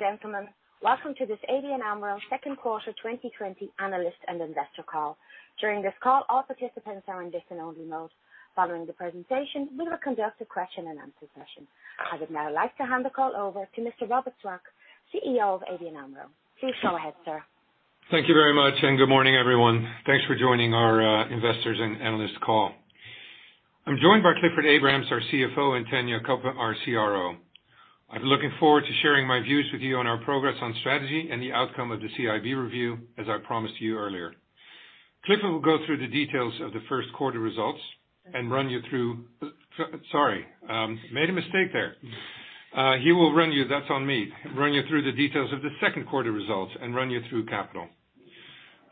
Gentlemen, welcome to this ABN AMRO second quarter 2020 analyst and investor call. During this call, all participants are in listen-only mode. Following the presentation, we will conduct a question-and-answer session. I would now like to hand the call over to Mr. Robert Swaak, CEO of ABN AMRO. Please go ahead, sir. Thank you very much, and good morning, everyone. Thanks for joining our investors and analysts call. I'm joined by Clifford Abrahams, our CFO, and Tanja Cuppen, our CRO. I'm looking forward to sharing my views with you on our progress on strategy and the outcome of the CIB review, as I promised you earlier. Clifford will go through the details of the first quarter results and run you through. Sorry, made a mistake there. That's on me. Run you through the details of the second quarter results and run you through capital.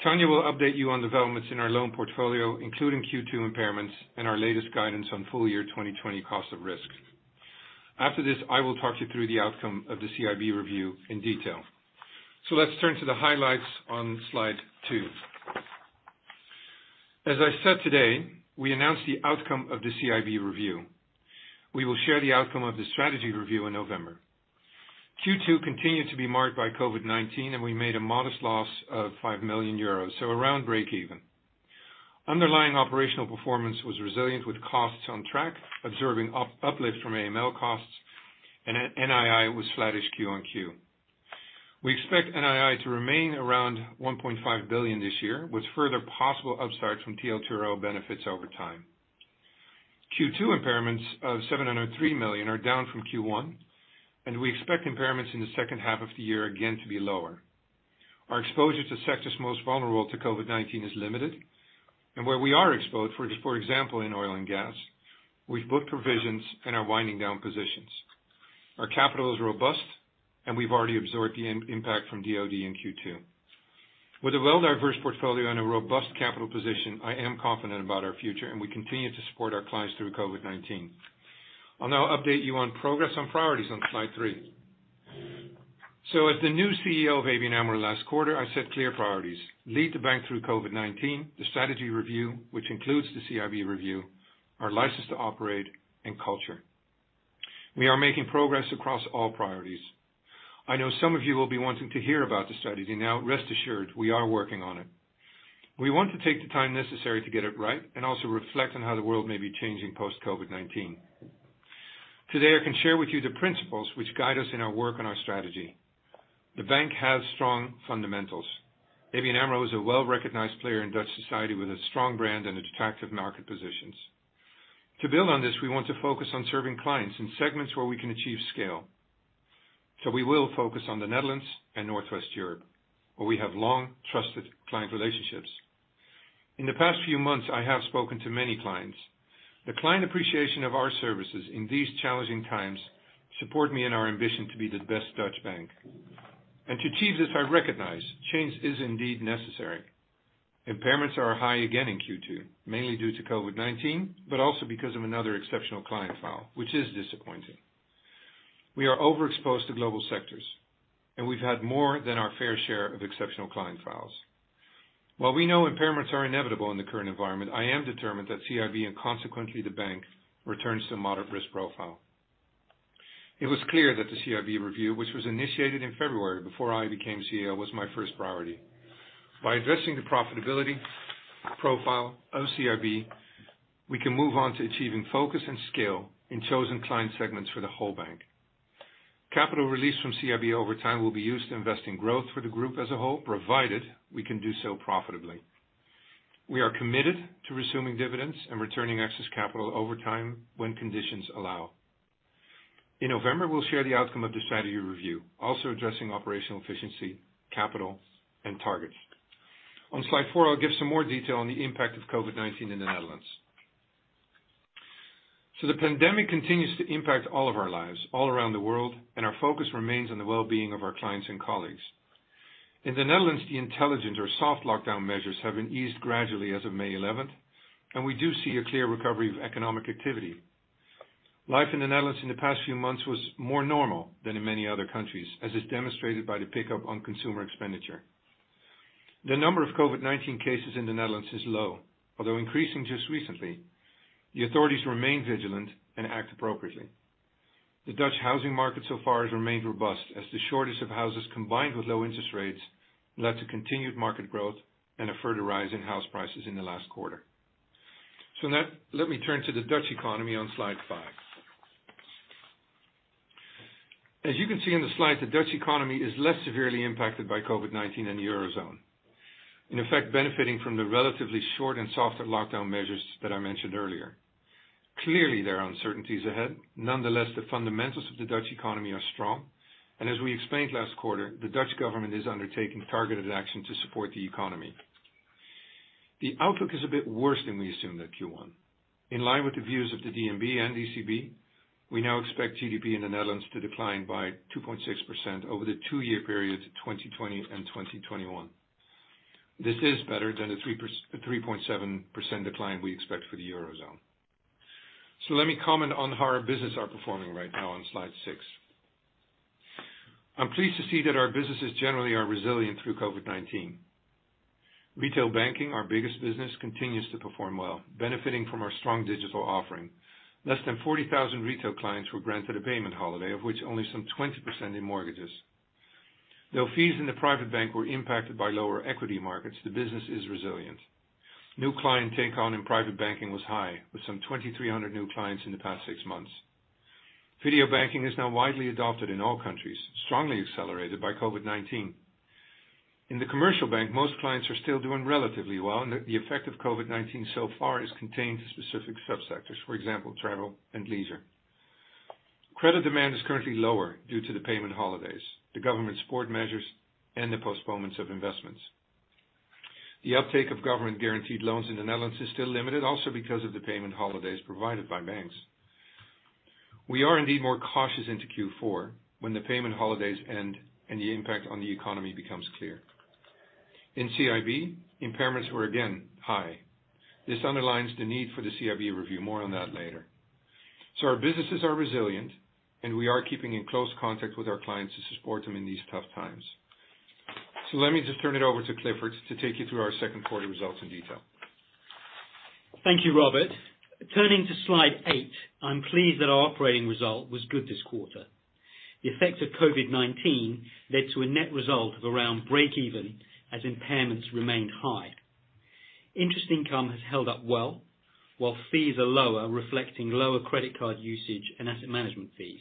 Tanja will update you on developments in our loan portfolio, including Q2 impairments and our latest guidance on full-year 2020 cost of risk. After this, I will talk you through the outcome of the CIB review in detail. Let's turn to the highlights on slide two. As I said, today, we announced the outcome of the CIB review. We will share the outcome of the strategy review in November. Q2 continued to be marred by COVID-19, and we made a modest loss of 5 million euros, so around breakeven. Underlying operational performance was resilient with costs on track, absorbing uplift from AML costs, and NII was flattish Q-on-Q. We expect NII to remain around 1.5 billion this year, with further possible upside from TLTRO benefits over time. Q2 impairments of 703 million are down from Q1, and we expect impairments in the second half of the year again to be lower. Our exposure to sectors most vulnerable to COVID-19 is limited, and where we are exposed, for example, in oil and gas, we've booked provisions and are winding down positions. Our capital is robust, and we've already absorbed the impact from DoD in Q2. With a well-diverse portfolio and a robust capital position, I am confident about our future, and we continue to support our clients through COVID-19. I'll now update you on progress on priorities on slide three. As the new CEO of ABN AMRO last quarter, I set clear priorities: lead the bank through COVID-19, the strategy review, which includes the CIB review, our license to operate, and culture. We are making progress across all priorities. I know some of you will be wanting to hear about the strategy now. Rest assured, we are working on it. We want to take the time necessary to get it right and also reflect on how the world may be changing post-COVID-19. Today, I can share with you the principles which guide us in our work and our strategy. The bank has strong fundamentals. ABN AMRO is a well-recognized player in Dutch society with a strong brand and attractive market positions. To build on this, we want to focus on serving clients in segments where we can achieve scale. We will focus on the Netherlands and Northwest Europe, where we have long, trusted client relationships. In the past few months, I have spoken to many clients. The client appreciation of our services in these challenging times support me in our ambition to be the best Dutch bank. To achieve this, I recognize change is indeed necessary. Impairments are high again in Q2, mainly due to COVID-19, but also because of another exceptional client file, which is disappointing. We are overexposed to global sectors, and we've had more than our fair share of exceptional client files. While we know impairments are inevitable in the current environment, I am determined that CIB, and consequently the bank, returns to a moderate risk profile. It was clear that the CIB review, which was initiated in February before I became CEO, was my first priority. By addressing the profitability profile of CIB, we can move on to achieving focus and scale in chosen client segments for the whole bank. Capital release from CIB over time will be used to invest in growth for the group as a whole, provided we can do so profitably. We are committed to resuming dividends and returning excess capital over time when conditions allow. In November, we'll share the outcome of the strategy review, also addressing operational efficiency, capital, and targets. On slide four, I'll give some more detail on the impact of COVID-19 in the Netherlands. The pandemic continues to impact all of our lives all around the world, and our focus remains on the well-being of our clients and colleagues. In the Netherlands, the intelligent or soft lockdown measures have been eased gradually as of May 11th, and we do see a clear recovery of economic activity. Life in the Netherlands in the past few months was more normal than in many other countries, as is demonstrated by the pickup on consumer expenditure. The number of COVID-19 cases in the Netherlands is low, although increasing just recently. The authorities remain vigilant and act appropriately. The Dutch housing market so far has remained robust as the shortage of houses, combined with low interest rates, led to continued market growth and a further rise in house prices in the last quarter. Now, let me turn to the Dutch economy on slide five. Benefiting from the relatively short and softer lockdown measures that I mentioned earlier. There are uncertainties ahead. The fundamentals of the Dutch economy are strong, and as we explained last quarter, the Dutch government is undertaking targeted action to support the economy. The outlook is a bit worse than we assumed at Q1. In line with the views of the DNB and ECB, we now expect GDP in the Netherlands to decline by 2.6% over the two-year period of 2020 and 2021. This is better than the 3.7% decline we expect for the Eurozone. Let me comment on how our business are performing right now on slide six. I'm pleased to see that our businesses generally are resilient through COVID-19. Retail banking, our biggest business, continues to perform well, benefiting from our strong digital offering. Less than 40,000 retail clients were granted a payment holiday, of which only some 20% in mortgages. Though fees in the private bank were impacted by lower equity markets, the business is resilient. New client take-on in private banking was high, with some 2,300 new clients in the past six months. Video banking is now widely adopted in all countries, strongly accelerated by COVID-19. In the commercial bank, most clients are still doing relatively well and the effect of COVID-19 so far has contained to specific sub-sectors, for example, travel and leisure. Credit demand is currently lower due to the payment holidays, the government support measures, and the postponements of investments. The uptake of government guaranteed loans in the Netherlands is still limited, also because of the payment holidays provided by banks. We are indeed more cautious into Q4 when the payment holidays end and the impact on the economy becomes clear. In CIB, impairments were again high. This underlines the need for the CIB review. More on that later. Our businesses are resilient, and we are keeping in close contact with our clients to support them in these tough times. Let me just turn it over to Clifford to take you through our second quarter results in detail. Thank you, Robert. Turning to slide eight, I'm pleased that our operating result was good this quarter. The effect of COVID-19 led to a net result of around breakeven as impairments remained high. Interest income has held up well, while fees are lower, reflecting lower credit card usage and asset management fees.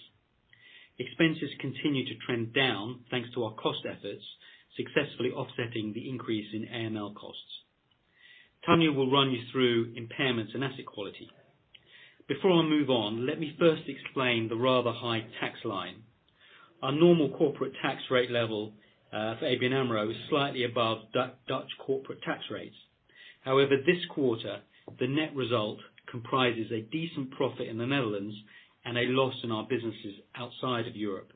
Expenses continue to trend down thanks to our cost efforts, successfully offsetting the increase in AML costs. Tanja will run you through impairments and asset quality. Before I move on, let me first explain the rather high tax line. Our normal corporate tax rate level for ABN AMRO is slightly above Dutch corporate tax rates. However, this quarter, the net result comprises a decent profit in the Netherlands and a loss in our businesses outside of Europe.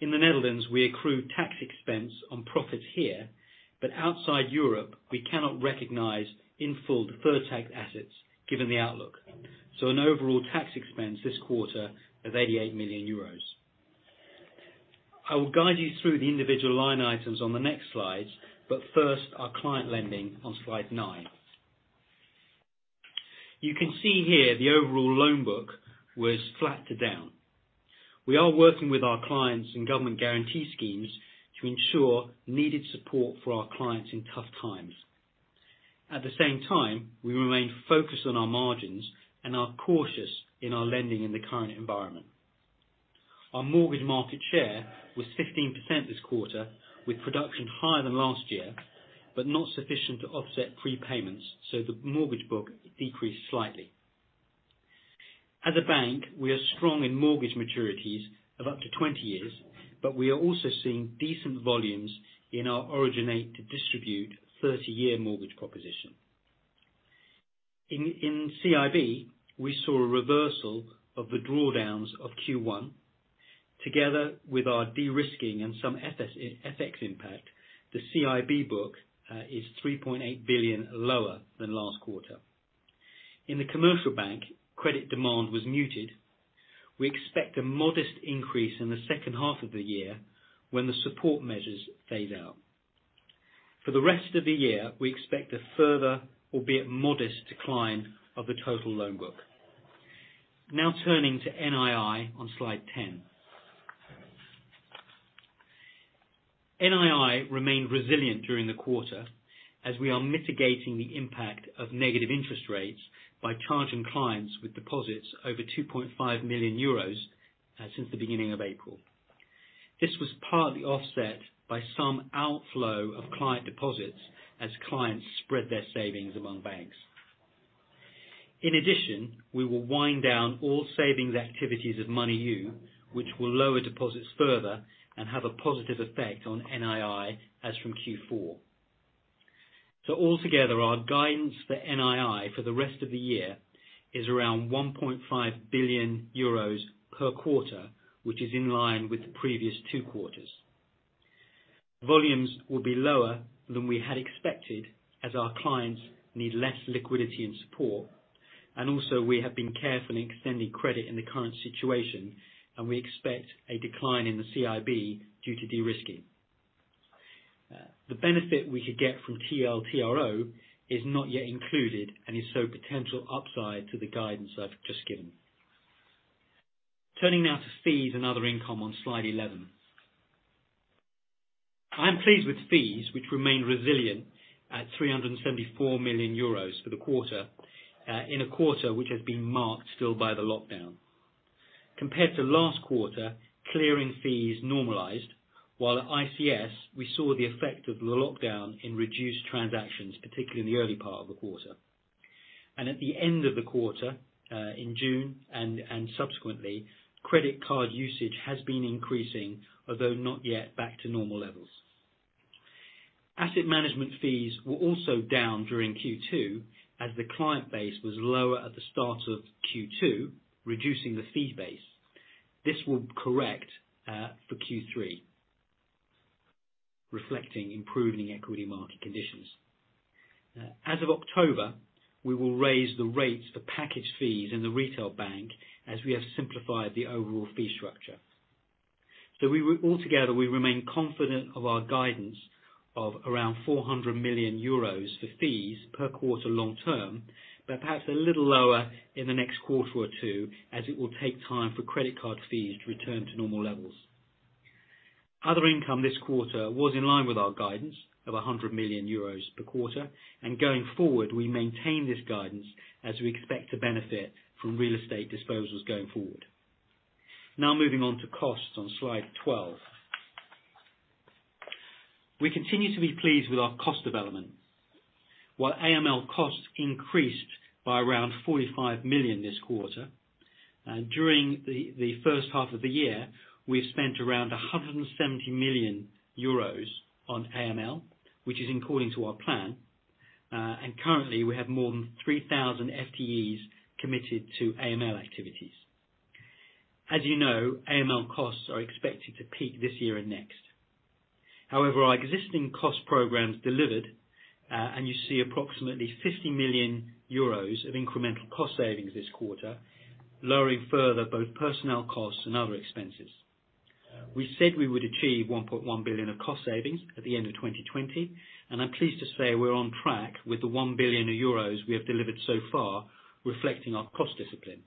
In the Netherlands, we accrue tax expense on profits here, but outside Europe, we cannot recognize in full deferred tax assets given the outlook. An overall tax expense this quarter of 88 million euros. I will guide you through the individual line items on the next slides, but first, our client lending on slide nine. You can see here the overall loan book was flat to down. We are working with our clients and government guarantee schemes to ensure needed support for our clients in tough times. At the same time, we remain focused on our margins and are cautious in our lending in the current environment. Our mortgage market share was 15% this quarter, with production higher than last year, but not sufficient to offset prepayments, so the mortgage book decreased slightly. As a bank, we are strong in mortgage maturities of up to 20 years, but we are also seeing decent volumes in our originate to distribute 30-year mortgage proposition. In CIB, we saw a reversal of the drawdowns of Q1 together with our de-risking and some FX impact. The CIB book is 3.8 billion lower than last quarter. In the commercial bank, credit demand was muted. We expect a modest increase in the second half of the year when the support measures fade out. For the rest of the year, we expect a further, albeit modest, decline of the total loan book. Now turning to NII on slide 10. NII remained resilient during the quarter as we are mitigating the impact of negative interest rates by charging clients with deposits over 2.5 million euros since the beginning of April. This was partly offset by some outflow of client deposits as clients spread their savings among banks. In addition, we will wind down all savings activities of Moneyou, which will lower deposits further and have a positive effect on NII as from Q4. Altogether, our guidance for NII for the rest of the year is around 1.5 billion euros per quarter, which is in line with the previous two quarters. Volumes will be lower than we had expected as our clients need less liquidity and support, and also we have been careful in extending credit in the current situation, and we expect a decline in the CIB due to de-risking. The benefit we could get from TLTRO is not yet included and is so potential upside to the guidance I've just given. Turning now to fees and other income on slide 11. I'm pleased with fees, which remain resilient at 374 million euros for the quarter, in a quarter which has been marked still by the lockdown. Compared to last quarter, clearing fees normalized, while at ICS, we saw the effect of the lockdown in reduced transactions, particularly in the early part of the quarter. At the end of the quarter, in June and subsequently, credit card usage has been increasing, although not yet back to normal levels. Asset management fees were also down during Q2 as the client base was lower at the start of Q2, reducing the fee base. This will correct for Q3, reflecting improving equity market conditions. As of October, we will raise the rates for package fees in the retail bank as we have simplified the overall fee structure. Altogether, we remain confident of our guidance of around 400 million euros for fees per quarter long term, but perhaps a little lower in the next quarter or two, as it will take time for credit card fees to return to normal levels. Other income this quarter was in line with our guidance of 100 million euros per quarter. Going forward, we maintain this guidance as we expect to benefit from real estate disposals going forward. Moving on to costs on slide 12. We continue to be pleased with our cost development. While AML costs increased by around 45 million this quarter, and during the first half of the year, we've spent around 170 million euros on AML, which is according to our plan. Currently, we have more than 3,000 FTEs committed to AML activities. As you know, AML costs are expected to peak this year and next. However, our existing cost programs delivered, and you see approximately 50 million euros of incremental cost savings this quarter, lowering further both personnel costs and other expenses. We said we would achieve 1.1 billion of cost savings at the end of 2020, and I'm pleased to say we're on track with the 1 billion euros we have delivered so far, reflecting our cost discipline.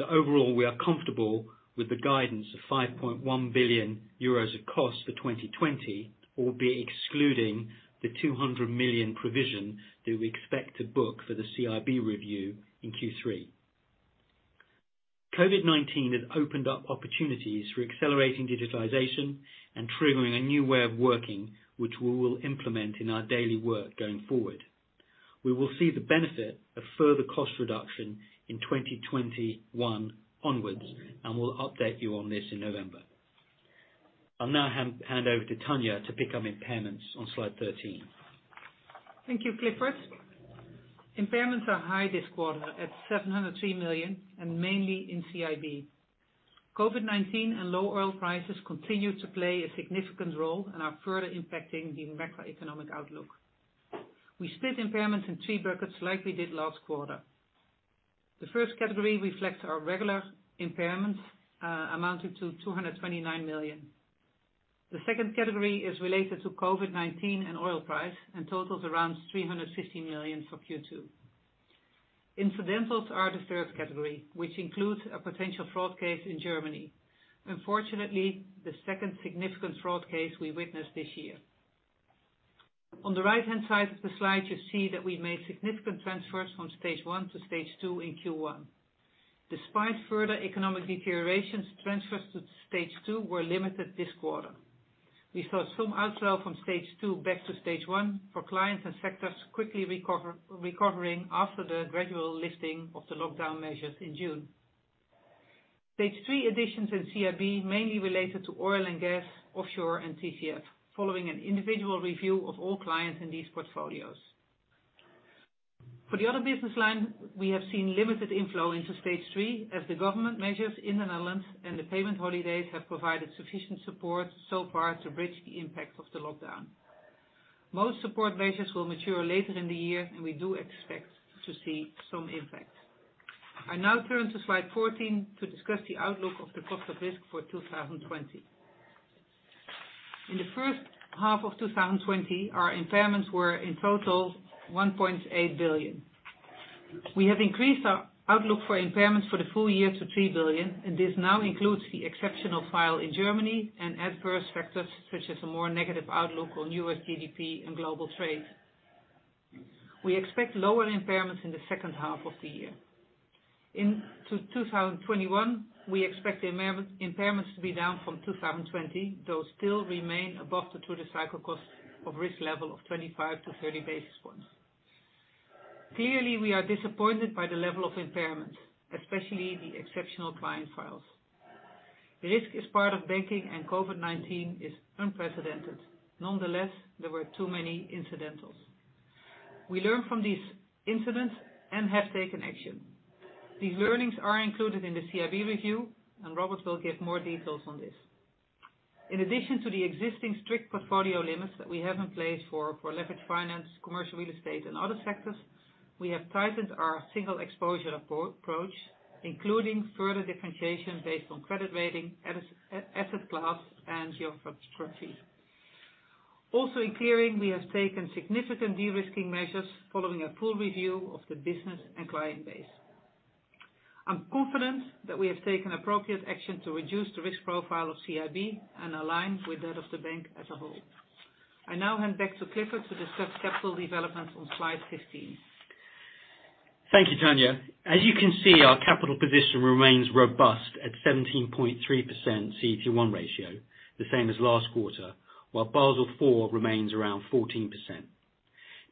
Overall, we are comfortable with the guidance of 5.1 billion euros of cost for 2020, albeit excluding the 200 million provision that we expect to book for the CIB review in Q3. COVID-19 has opened up opportunities for accelerating digitalization and triggering a new way of working, which we will implement in our daily work going forward. We will see the benefit of further cost reduction in 2021 onwards, and we'll update you on this in November. I'll now hand over to Tanja to pick up impairments on slide 13. Thank you, Clifford. Impairments are high this quarter at 703 million and mainly in CIB. COVID-19 and low oil prices continue to play a significant role and are further impacting the macroeconomic outlook. We split impairments in three buckets like we did last quarter. The first category reflects our regular impairments amounting to 229 million. The second category is related to COVID-19 and oil price, and totals around 350 million for Q2. Incidentals are the third category, which includes a potential fraud case in Germany. Unfortunately, the second significant fraud case we witnessed this year. On the right-hand side of the slide, you see that we made significant transfers from stage 1 to stage 2 in Q1. Despite further economic deterioration, transfers to stage 2 were limited this quarter. We saw some outflow from stage 2 back to stage 1 for clients and sectors quickly recovering after the gradual lifting of the lockdown measures in June. Stage 3 additions in CIB mainly related to oil and gas, offshore and TCF, following an individual review of all clients in these portfolios. For the other business line, we have seen limited inflow into stage 3 as the government measures in the Netherlands and the payment holidays have provided sufficient support so far to bridge the impact of the lockdown. Most support measures will mature later in the year, and we do expect to see some impact. I now turn to slide 14 to discuss the outlook of the cost of risk for 2020. In the first half of 2020, our impairments were in total 1.8 billion. We have increased our outlook for impairments for the full year to 3 billion. This now includes the exceptional file in Germany and adverse factors such as a more negative outlook on U.S. GDP and global trade. We expect lower impairments in the second half of the year. In 2021, we expect impairments to be down from 2020, though still remain above the through-the-cycle cost of risk level of 25-30 basis points. Clearly, we are disappointed by the level of impairment, especially the exceptional client files. Risk is part of banking. COVID-19 is unprecedented. Nonetheless, there were too many incidentals. We learn from these incidents and have taken action. These learnings are included in the CIB review. Robert will give more details on this. In addition to the existing strict portfolio limits that we have in place for leveraged finance, commercial real estate, and other sectors, we have tightened our single exposure approach, including further differentiation based on credit rating, asset class, and geography. Also in clearing, we have taken significant de-risking measures following a full review of the business and client base. I'm confident that we have taken appropriate action to reduce the risk profile of CIB and align with that of the bank as a whole. I now hand back to Clifford to discuss capital developments on slide 15. Thank you, Tanja. As you can see, our capital position remains robust at 17.3% CET1 ratio, the same as last quarter, while Basel IV remains around 14%.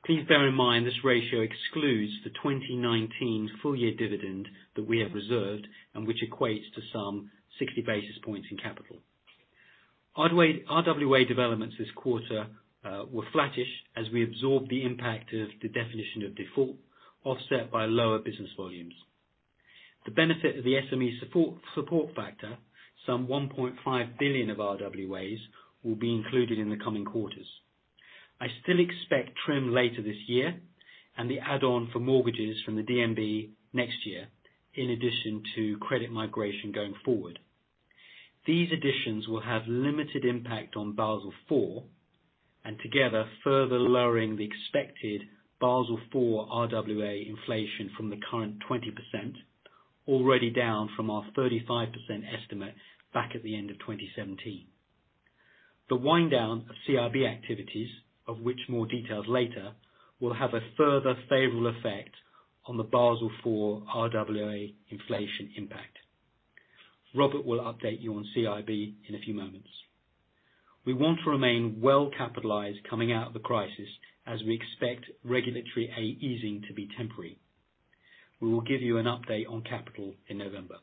Please bear in mind this ratio excludes the 2019 full-year dividend that we have reserved and which equates to some 60 basis points in capital. RWA developments this quarter were flattish as we absorbed the impact of the definition of default offset by lower business volumes. The benefit of the SME support factor, some 1.5 billion of RWAs, will be included in the coming quarters. I still expect TRIM later this year, and the add-on for mortgages from the DNB next year, in addition to credit migration going forward. These additions will have limited impact on Basel IV, and together further lowering the expected Basel IV RWA inflation from the current 20%, already down from our 35% estimate back at the end of 2017. The wind down of CIB activities, of which more details later, will have a further favorable effect on the Basel IV RWA inflation impact. Robert will update you on CIB in a few moments. We want to remain well-capitalized coming out of the crisis, as we expect regulatory easing to be temporary. We will give you an update on capital in November.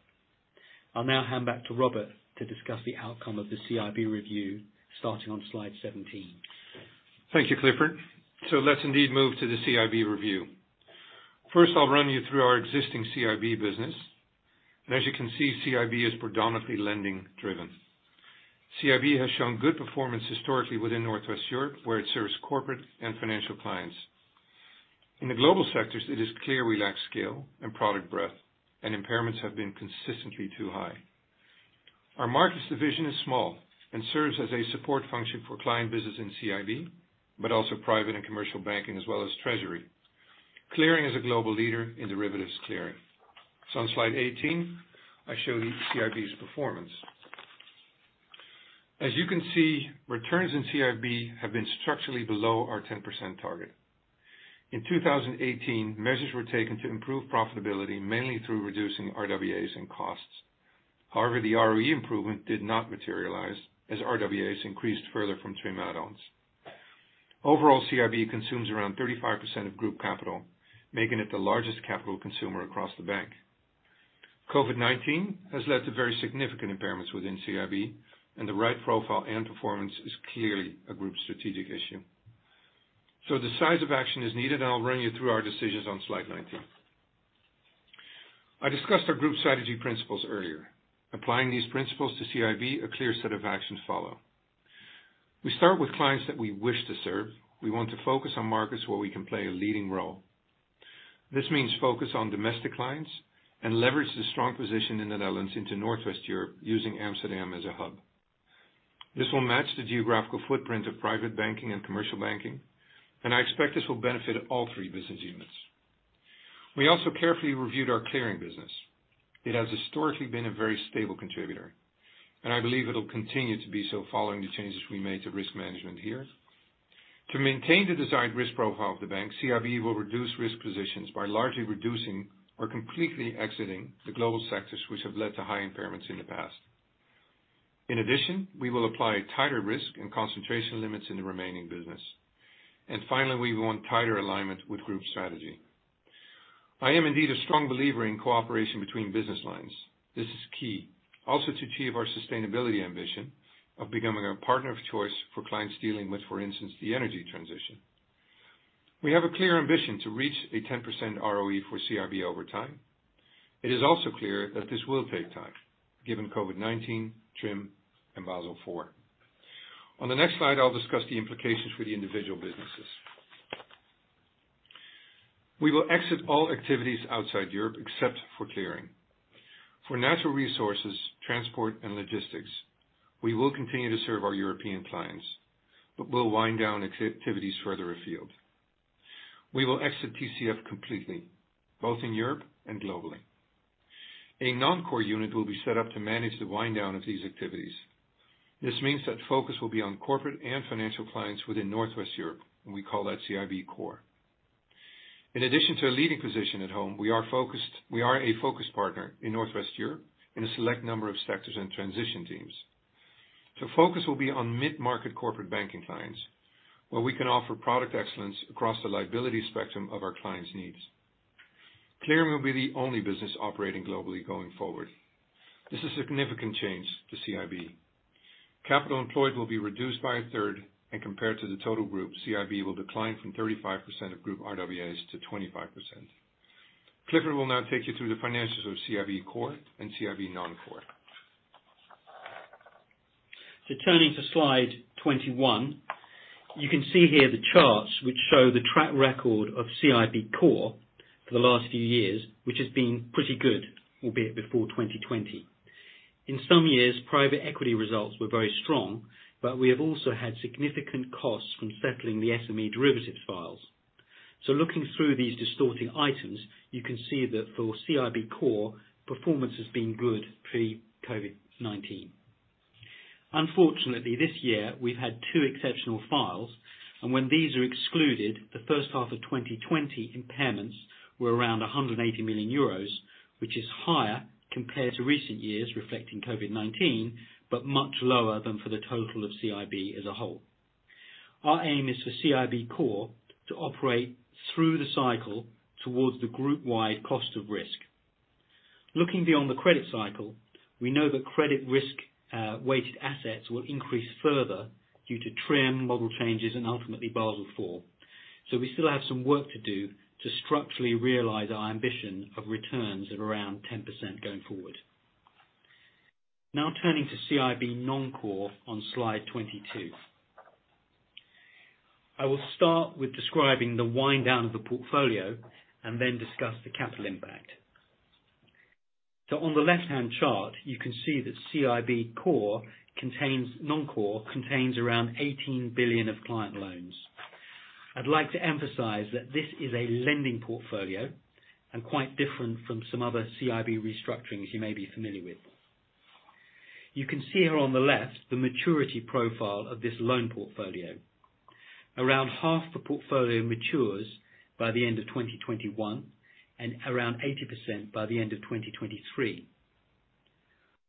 I'll now hand back to Robert to discuss the outcome of the CIB review, starting on slide 17. Thank you, Clifford. Let's indeed move to the CIB review. First, I'll run you through our existing CIB business. As you can see, CIB is predominantly lending driven. CIB has shown good performance historically within Northwest Europe, where it serves corporate and financial clients. In the global sectors, it is clear we lack scale and product breadth, and impairments have been consistently too high. Our markets division is small and serves as a support function for client business in CIB, but also private and commercial banking, as well as treasury. Clearing is a global leader in derivatives clearing. On slide 18, I show you CIB's performance. As you can see, returns in CIB have been structurally below our 10% target. In 2018, measures were taken to improve profitability, mainly through reducing RWAs and costs. However, the ROE improvement did not materialize as RWAs increased further from TRIM add-ons. Overall, CIB consumes around 35% of group capital, making it the largest capital consumer across the bank. COVID-19 has led to very significant impairments within CIB, and the right profile and performance is clearly a group strategic issue. Decisive action is needed, and I'll run you through our decisions on slide 19. I discussed our group strategy principles earlier. Applying these principles to CIB, a clear set of actions follow. We start with clients that we wish to serve. We want to focus on markets where we can play a leading role. This means focus on domestic clients and leverage the strong position in the Netherlands into Northwest Europe using Amsterdam as a hub. This will match the geographical footprint of private banking and commercial banking. I expect this will benefit all three business units. We also carefully reviewed our clearing business. It has historically been a very stable contributor. I believe it'll continue to be so following the changes we made to risk management here. To maintain the desired risk profile of the bank, CIB will reduce risk positions by largely reducing or completely exiting the global sectors which have led to high impairments in the past. In addition, we will apply tighter risk and concentration limits in the remaining business. Finally, we want tighter alignment with group strategy. I am indeed a strong believer in cooperation between business lines. This is key also to achieve our sustainability ambition of becoming a partner of choice for clients dealing with, for instance, the energy transition. We have a clear ambition to reach a 10% ROE for CIB over time. It is also clear that this will take time given COVID-19, TRIM, and Basel IV. On the next slide, I'll discuss the implications for the individual businesses. We will exit all activities outside Europe except for clearing. For natural resources, transport, and logistics, we will continue to serve our European clients, but we'll wind down activities further afield. We will exit TCF completely, both in Europe and globally. A non-core unit will be set up to manage the wind down of these activities. This means that focus will be on corporate and financial clients within Northwest Europe, and we call that CIB Core. In addition to a leading position at home, we are a focus partner in Northwest Europe in a select number of sectors and transition teams. Focus will be on mid-market corporate banking clients, where we can offer product excellence across the liability spectrum of our clients' needs. Clearing will be the only business operating globally going forward. This is a significant change to CIB. Capital employed will be reduced by a third, and compared to the total group, CIB will decline from 35% of group RWAs to 25%. Clifford will now take you through the financials of CIB Core and CIB non-core. Turning to slide 21. You can see here the charts which show the track record of CIB Core for the last few years, which has been pretty good, albeit before 2020. In some years, private equity results were very strong, but we have also had significant costs from settling the SME derivative files. Looking through these distorting items, you can see that for CIB Core, performance has been good pre-COVID-19. Unfortunately, this year we've had two exceptional files, and when these are excluded, the first half of 2020 impairments were around 180 million euros, which is higher compared to recent years, reflecting COVID-19, but much lower than for the total of CIB as a whole. Our aim is for CIB Core to operate through the cycle towards the group-wide cost of risk. Looking beyond the credit cycle, we know that credit risk weighted assets will increase further due to TRIM model changes and ultimately Basel IV. We still have some work to do to structurally realize our ambition of returns of around 10% going forward. Now turning to CIB non-core on slide 22. I will start with describing the wind down of the portfolio and then discuss the capital impact. On the left-hand chart, you can see that CIB non-core contains around 18 billion of client loans. I'd like to emphasize that this is a lending portfolio and quite different from some other CIB restructurings you may be familiar with. You can see here on the left the maturity profile of this loan portfolio. Around half the portfolio matures by the end of 2021, and around 80% by the end of 2023.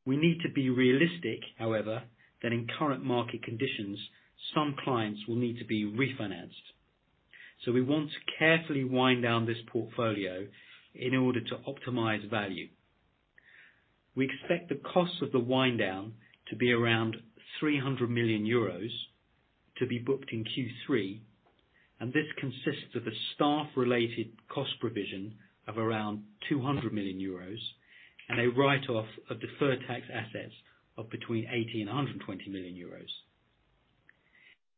We need to be realistic, however, that in current market conditions, some clients will need to be refinanced. We want to carefully wind down this portfolio in order to optimize value. We expect the cost of the wind down to be around 300 million euros to be booked in Q3. This consists of a staff-related cost provision of around 200 million euros, and a write-off of deferred tax assets of between 80 million and 120 million euros.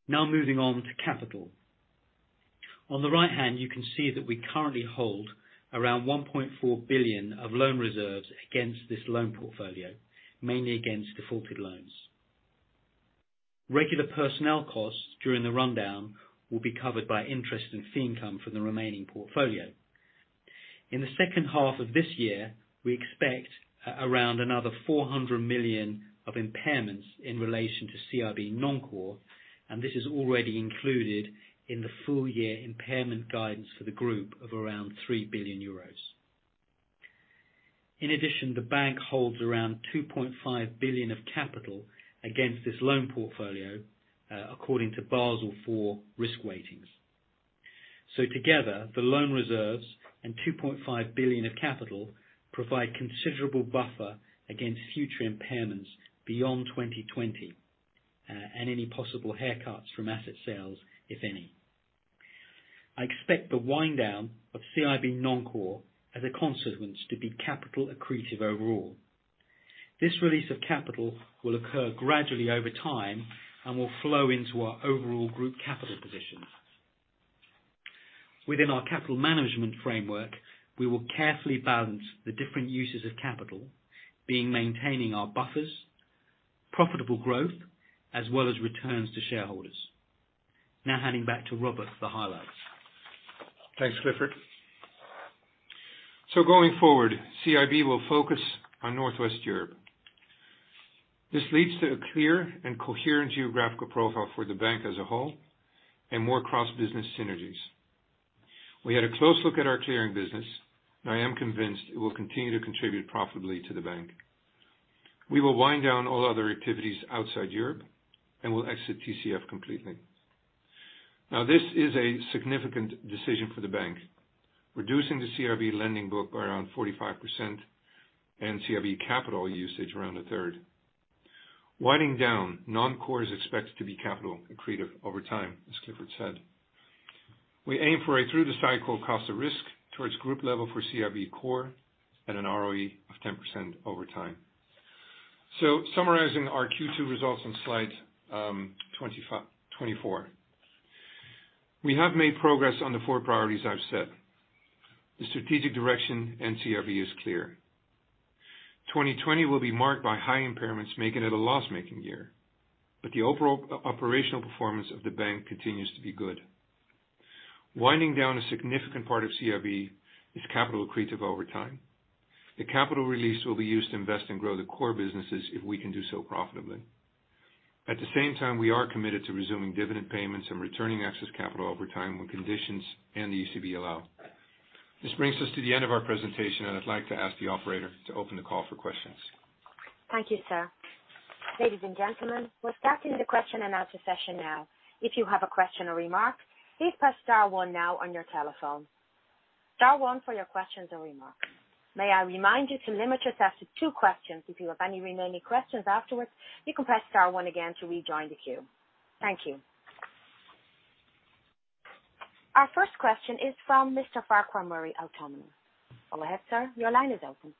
Moving on to capital. On the right hand, you can see that we currently hold around 1.4 billion of loan reserves against this loan portfolio, mainly against defaulted loans. Regular personnel costs during the rundown will be covered by interest and fee income from the remaining portfolio. In the second half of this year, we expect around another 400 million of impairments in relation to CIB non-core, and this is already included in the full year impairment guidance for the group of around 3 billion euros. In addition, the bank holds around 2.5 billion of capital against this loan portfolio, according to Basel IV risk weightings. Together, the loan reserves and 2.5 billion of capital provide considerable buffer against future impairments beyond 2020, and any possible haircuts from asset sales, if any. I expect the wind down of CIB non-core as a consequence to be capital accretive overall. This release of capital will occur gradually over time and will flow into our overall group capital positions. Within our capital management framework, we will carefully balance the different uses of capital, being maintaining our buffers, profitable growth, as well as returns to shareholders. Now handing back to Robert for highlights. Thanks, Clifford. Going forward, CIB will focus on Northwest Europe. This leads to a clear and coherent geographical profile for the bank as a whole and more cross-business synergies. We had a close look at our clearing business, and I am convinced it will continue to contribute profitably to the bank. We will wind down all other activities outside Europe and will exit TCF completely. This is a significant decision for the bank. Reducing the CIB lending book by around 45% and CIB capital usage around a third. Winding down non-core is expected to be capital accretive over time, as Clifford said. We aim for a through-the-cycle cost of risk towards group level for CIB Core and an ROE of 10% over time. Summarizing our Q2 results on slide 24. We have made progress on the four priorities I've set. The strategic direction in CIB is clear. 2020 will be marked by high impairments, making it a loss-making year. The overall operational performance of the bank continues to be good. Winding down a significant part of CIB is capital accretive over time. The capital release will be used to invest and grow the core businesses if we can do so profitably. At the same time, we are committed to resuming dividend payments and returning excess capital over time when conditions and the ECB allow. This brings us to the end of our presentation, and I'd like to ask the operator to open the call for questions. Thank you, sir. Ladies and gentlemen, we're starting the question-and-answer session now. If you have a question or remark, please press star one now on your telephone. Star one for your questions and remarks. May I remind you to limit yourself to two questions. If you have any remaining questions afterwards, you can press star one again to rejoin the queue. Thank you. Our first question is from Mr. Farquhar Murray at Autonomous. Go ahead, sir. Your line is open.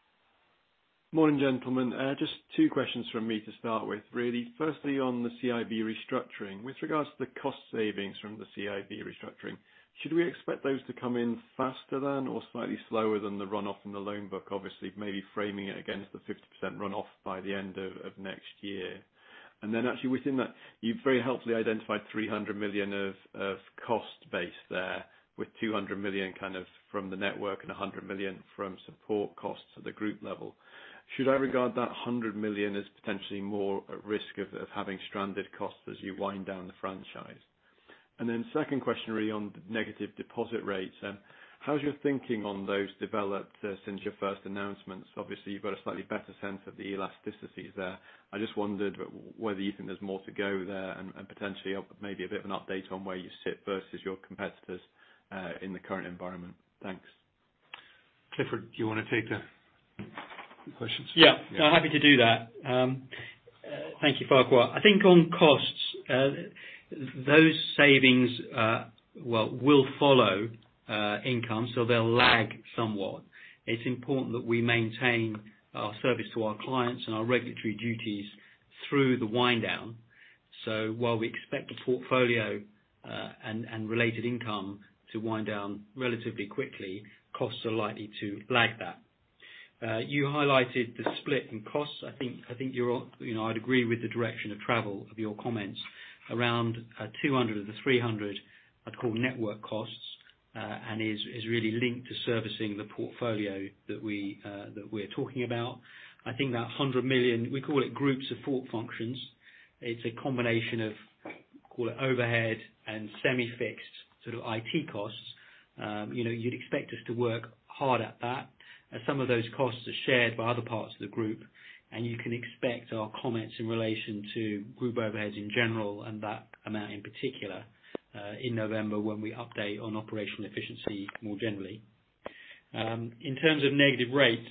Morning, gentlemen. Just two questions from me to start with, really. Firstly, on the CIB restructuring, with regards to the cost savings from the CIB restructuring, should we expect those to come in faster than or slightly slower than the runoff in the loan book? Obviously, maybe framing it against the 50% runoff by the end of next year. Within that, you've very helpfully identified 300 million of cost base there, with 200 million kind of from the network and 100 million from support costs at the group level. Should I regard that 100 million as potentially more at risk of having stranded costs as you wind down the franchise? Second question really on negative deposit rates. How has your thinking on those developed since your first announcements? Obviously, you've got a slightly better sense of the elasticities there. I just wondered whether you think there's more to go there and potentially maybe a bit of an update on where you sit versus your competitors in the current environment. Thanks. Clifford, do you want to take the questions? Yeah. I'm happy to do that. Thank you, Farquhar. I think on costs, those savings will follow income. They'll lag somewhat. It's important that we maintain our service to our clients and our regulatory duties through the wind down. While we expect the portfolio, and related income to wind down relatively quickly, costs are likely to lag that. You highlighted the split in costs. I think I'd agree with the direction of travel of your comments around 200 million of the 300 million, I'd call network costs, and is really linked to servicing the portfolio that we're talking about. I think that 100 million, we call it group support functions. It's a combination of, call it overhead and semi-fixed IT costs. You'd expect us to work hard at that, as some of those costs are shared by other parts of the group. You can expect our comments in relation to group overheads in general, and that amount in particular, in November when we update on operational efficiency more generally. In terms of negative rates,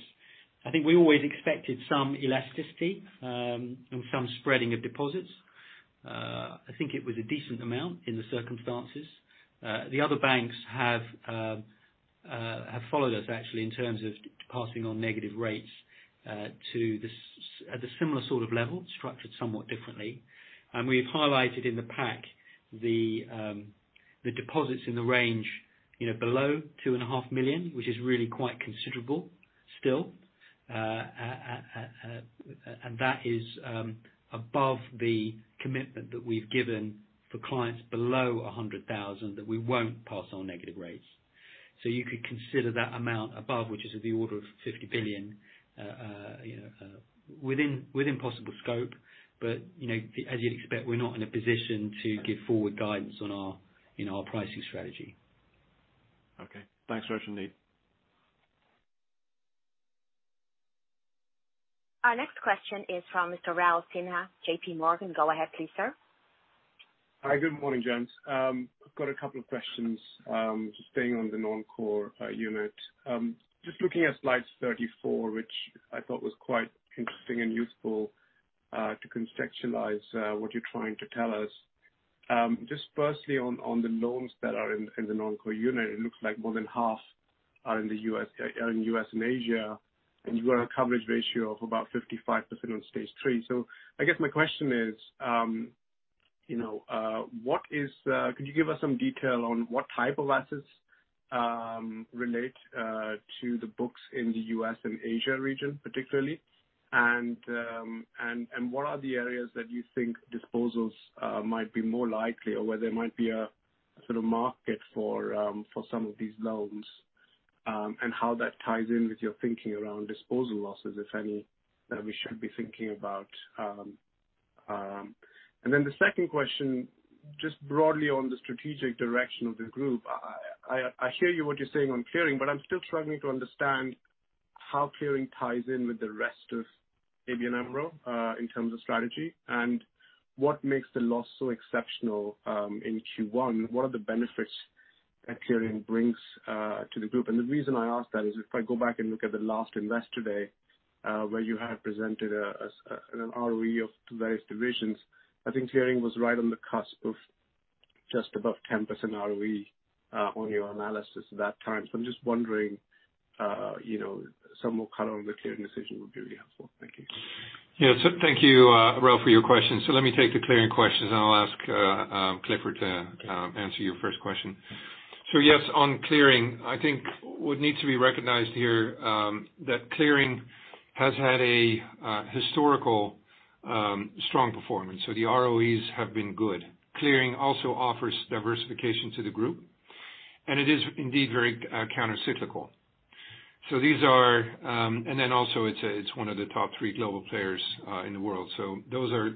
I think we always expected some elasticity, and some spreading of deposits. I think it was a decent amount in the circumstances. The other banks have followed us actually, in terms of passing on negative rates at a similar sort of level, structured somewhat differently. We've highlighted in the pack the deposits in the range below 2.5 million, which is really quite considerable still. That is above the commitment that we've given for clients below 100,000 that we won't pass on negative rates. You could consider that amount above, which is of the order of 50 billion within possible scope. As you'd expect, we're not in a position to give forward guidance on our pricing strategy. Okay. Thanks very much indeed. Our next question is from Mr. Raul Sinha, JPMorgan. Go ahead please, sir. Hi. Good morning, gents. I've got a couple of questions, just staying on the non-core unit. Looking at slide 34, which I thought was quite interesting and useful to contextualize what you're trying to tell us. Firstly, on the loans that are in the non-core unit. It looks like more than half are in the U.S. and Asia, and you are on a coverage ratio of about 55% on stage 3. I guess my question is, could you give us some detail on what type of assets relate to the books in the U.S. and Asia region particularly, and what are the areas that you think disposals might be more likely, or where there might be a sort of market for some of these loans? How that ties in with your thinking around disposal losses, if any, that we should be thinking about. The second question, just broadly on the strategic direction of the group. I hear you what you're saying on Clearing, but I'm still struggling to understand how Clearing ties in with the rest of ABN AMRO, in terms of strategy. What makes the loss so exceptional, in Q1? What are the benefits that Clearing brings to the group? The reason I ask that is if I go back and look at the last Investor Day, where you had presented an ROE of various divisions. I think Clearing was right on the cusp of just above 10% ROE on your analysis at that time. I'm just wondering, some more color on the Clearing decision would be really helpful. Thank you. Thank you, Raul, for your question. Let me take the Clearing questions, and I'll ask Clifford to answer your first question. Yes, on Clearing, I think what needs to be recognized here, that Clearing has had a historical strong performance. The ROEs have been good. Clearing also offers diversification to the group, and it is indeed very countercyclical. Also it's one of the top three global players in the world. Those are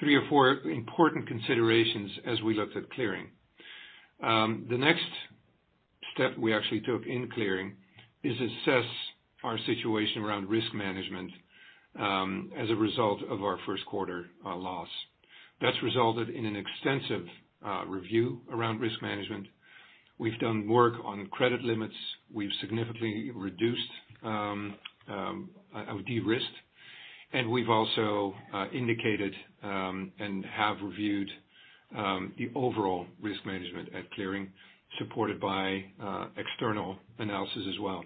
three or four important considerations as we looked at Clearing. The next step we actually took in Clearing is assess our situation around risk management, as a result of our first quarter loss. That's resulted in an extensive review around risk management. We've done work on credit limits. We've significantly reduced, de-risked, and we've also indicated, and have reviewed, the overall risk management at Clearing, supported by external analysis as well.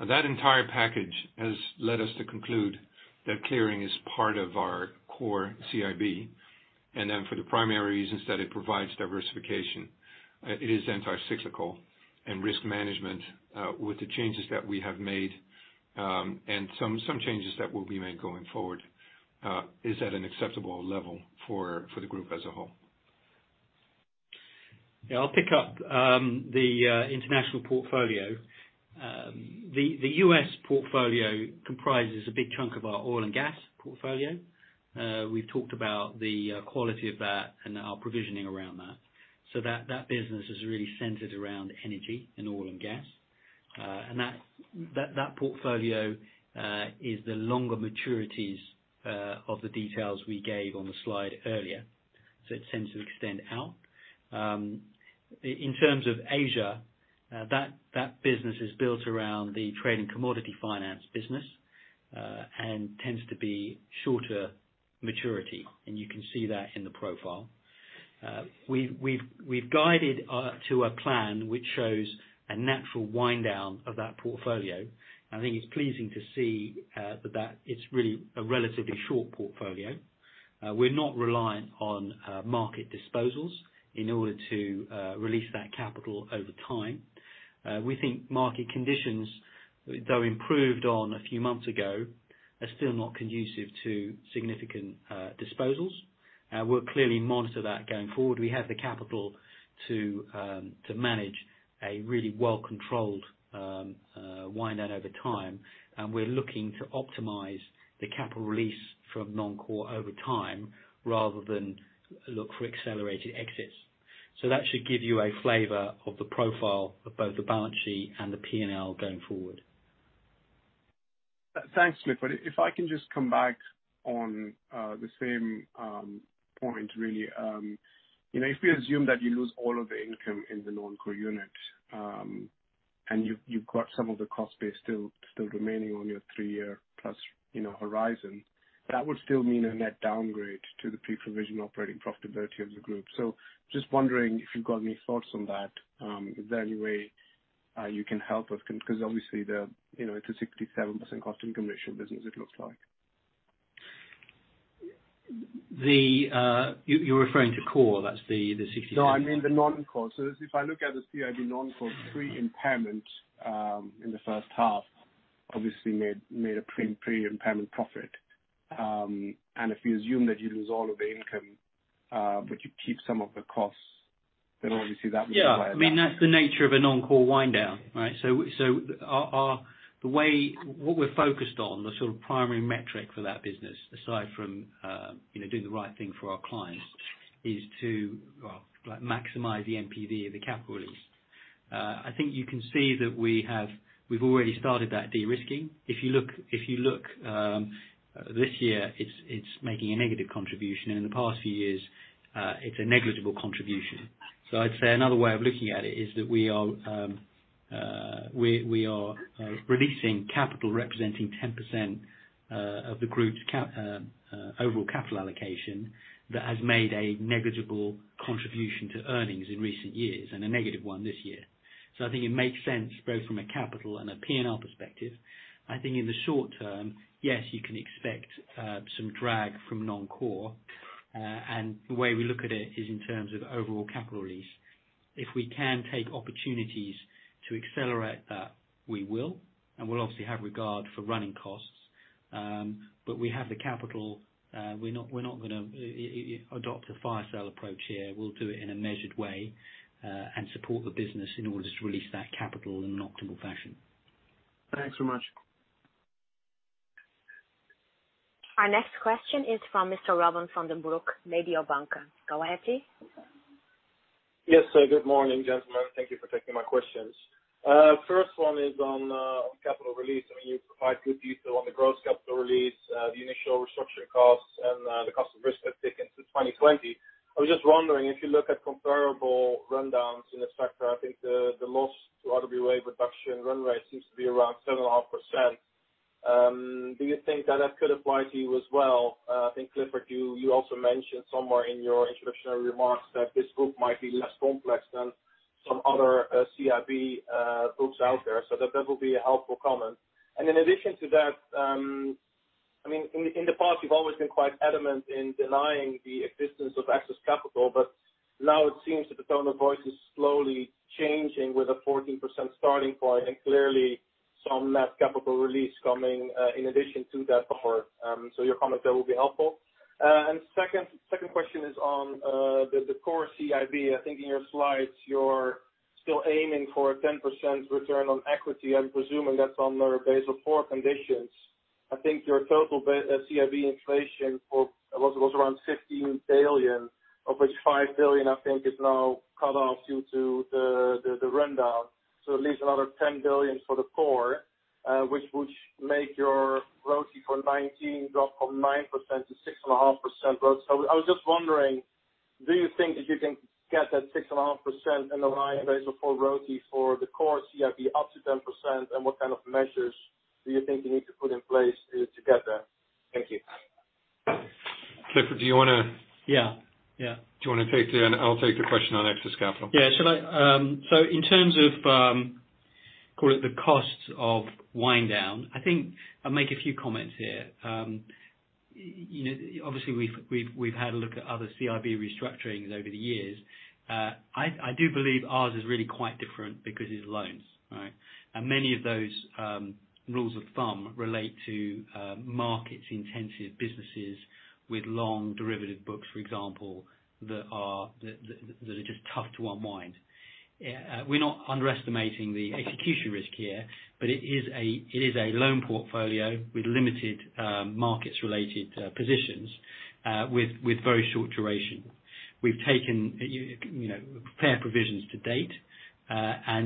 That entire package has led us to conclude that Clearing is part of our core CIB. For the primary reasons that it provides diversification, it is anti-cyclical and risk management, with the changes that we have made, and some changes that will be made going forward, is at an acceptable level for the group as a whole. Yeah. I'll pick up the international portfolio. The U.S. portfolio comprises a big chunk of our oil and gas portfolio. We've talked about the quality of that and our provisioning around that. That business is really centered around energy and oil and gas. That portfolio is the longer maturities of the details we gave on the slide earlier. It tends to extend out. In terms of Asia, that business is built around the trade and commodity finance business, and tends to be shorter maturity. You can see that in the profile. We've guided to a plan which shows a natural wind down of that portfolio. I think it's pleasing to see that it's really a relatively short portfolio. We're not reliant on market disposals in order to release that capital over time. We think market conditions, though improved on a few months ago, are still not conducive to significant disposals. We'll clearly monitor that going forward. We have the capital to manage a really well-controlled wind down over time, and we're looking to optimize the capital release from non-core over time rather than look for accelerated exits. That should give you a flavor of the profile of both the balance sheet and the P&L going forward. Thanks, Clifford. If I can just come back on the same point really. If we assume that you lose all of the income in the Non-core unit, and you've got some of the cost base still remaining on your three-year plus horizon, that would still mean a net downgrade to the pre-provision operating profitability of the group. Just wondering if you've got any thoughts on that. Is there any way you can help us? Obviously, it's a 67% cost income ratio business it looks like. You're referring to core, that's the 67%- I mean the non-core. If I look at the CIB non-core pre-impairment, in the first half, obviously made a pre-impairment profit. If you assume that you lose all of the income, but you keep some of the costs, then obviously that would require that. Yeah. That's the nature of a non-core wind down, right? What we're focused on, the primary metric for that business, aside from doing the right thing for our clients, is to maximize the NPV of the capital release. I think you can see that we've already started that de-risking. If you look this year, it's making a negative contribution, and in the past few years, it's a negligible contribution. I'd say another way of looking at it is that we are releasing capital representing 10% of the group's overall capital allocation that has made a negligible contribution to earnings in recent years, and a negative one this year. I think it makes sense both from a capital and a P&L perspective. I think in the short term, yes, you can expect some drag from non-core. The way we look at it is in terms of overall capital release. If we can take opportunities to accelerate that, we will, and we'll obviously have regard for running costs. We have the capital. We're not going to adopt a fire sale approach here. We'll do it in a measured way, and support the business in order to release that capital in an optimal fashion. Thanks so much. Our next question is from Mr. Robin van den Broek, Mediobanca. Go ahead, please. Yes, good morning, gentlemen. Thank you for taking my questions. First one is on capital release. You provide good detail on the gross capital release, the initial restructuring costs, and the cost of risk have taken to 2020. I was just wondering if you look at comparable rundowns in this sector, I think the most RWA reduction run rate seems to be around 7.5%. Do you think that that could apply to you as well? I think Clifford, you also mentioned somewhere in your introductory remarks that this group might be less complex than some other CIB groups out there. That would be a helpful comment. In addition to that, in the past you've always been quite adamant in denying the existence of excess capital. Now it seems that the tone of voice is slowly changing with a 14% starting point, and clearly some of that capital release coming in addition to that before. Your comment there will be helpful. Second question is on the core CIB. I think in your slides, you're still aiming for a 10% return on equity. I'm presuming that's on the Basel IV conditions. I think your total CIB inflation was around 15 billion, of which 5 billion, I think, is now cut off due to the rundown. It leaves another 10 billion for the core, which would make your ROTCE for 2019 drop from 9% to 6.5% roughly. I was just wondering, do you think that you can get that 6.5% and align Basel IV ROTCE for the core CIB up to 10%? What kind of measures do you think you need to put in place to get there? Thank you. Clifford, do you want to- Yeah. Do you want to take it? I'll take the question on excess capital. In terms of, call it the costs of wind down, I think I'll make a few comments here. Obviously, we've had a look at other CIB restructurings over the years. I do believe ours is really quite different because it's loans. Right? Many of those rules of thumb relate to markets-intensive businesses with long derivative books, for example, that are just tough to unwind. We're not underestimating the execution risk here, but it is a loan portfolio with limited markets related positions, with very short duration. We've taken fair provisions to date.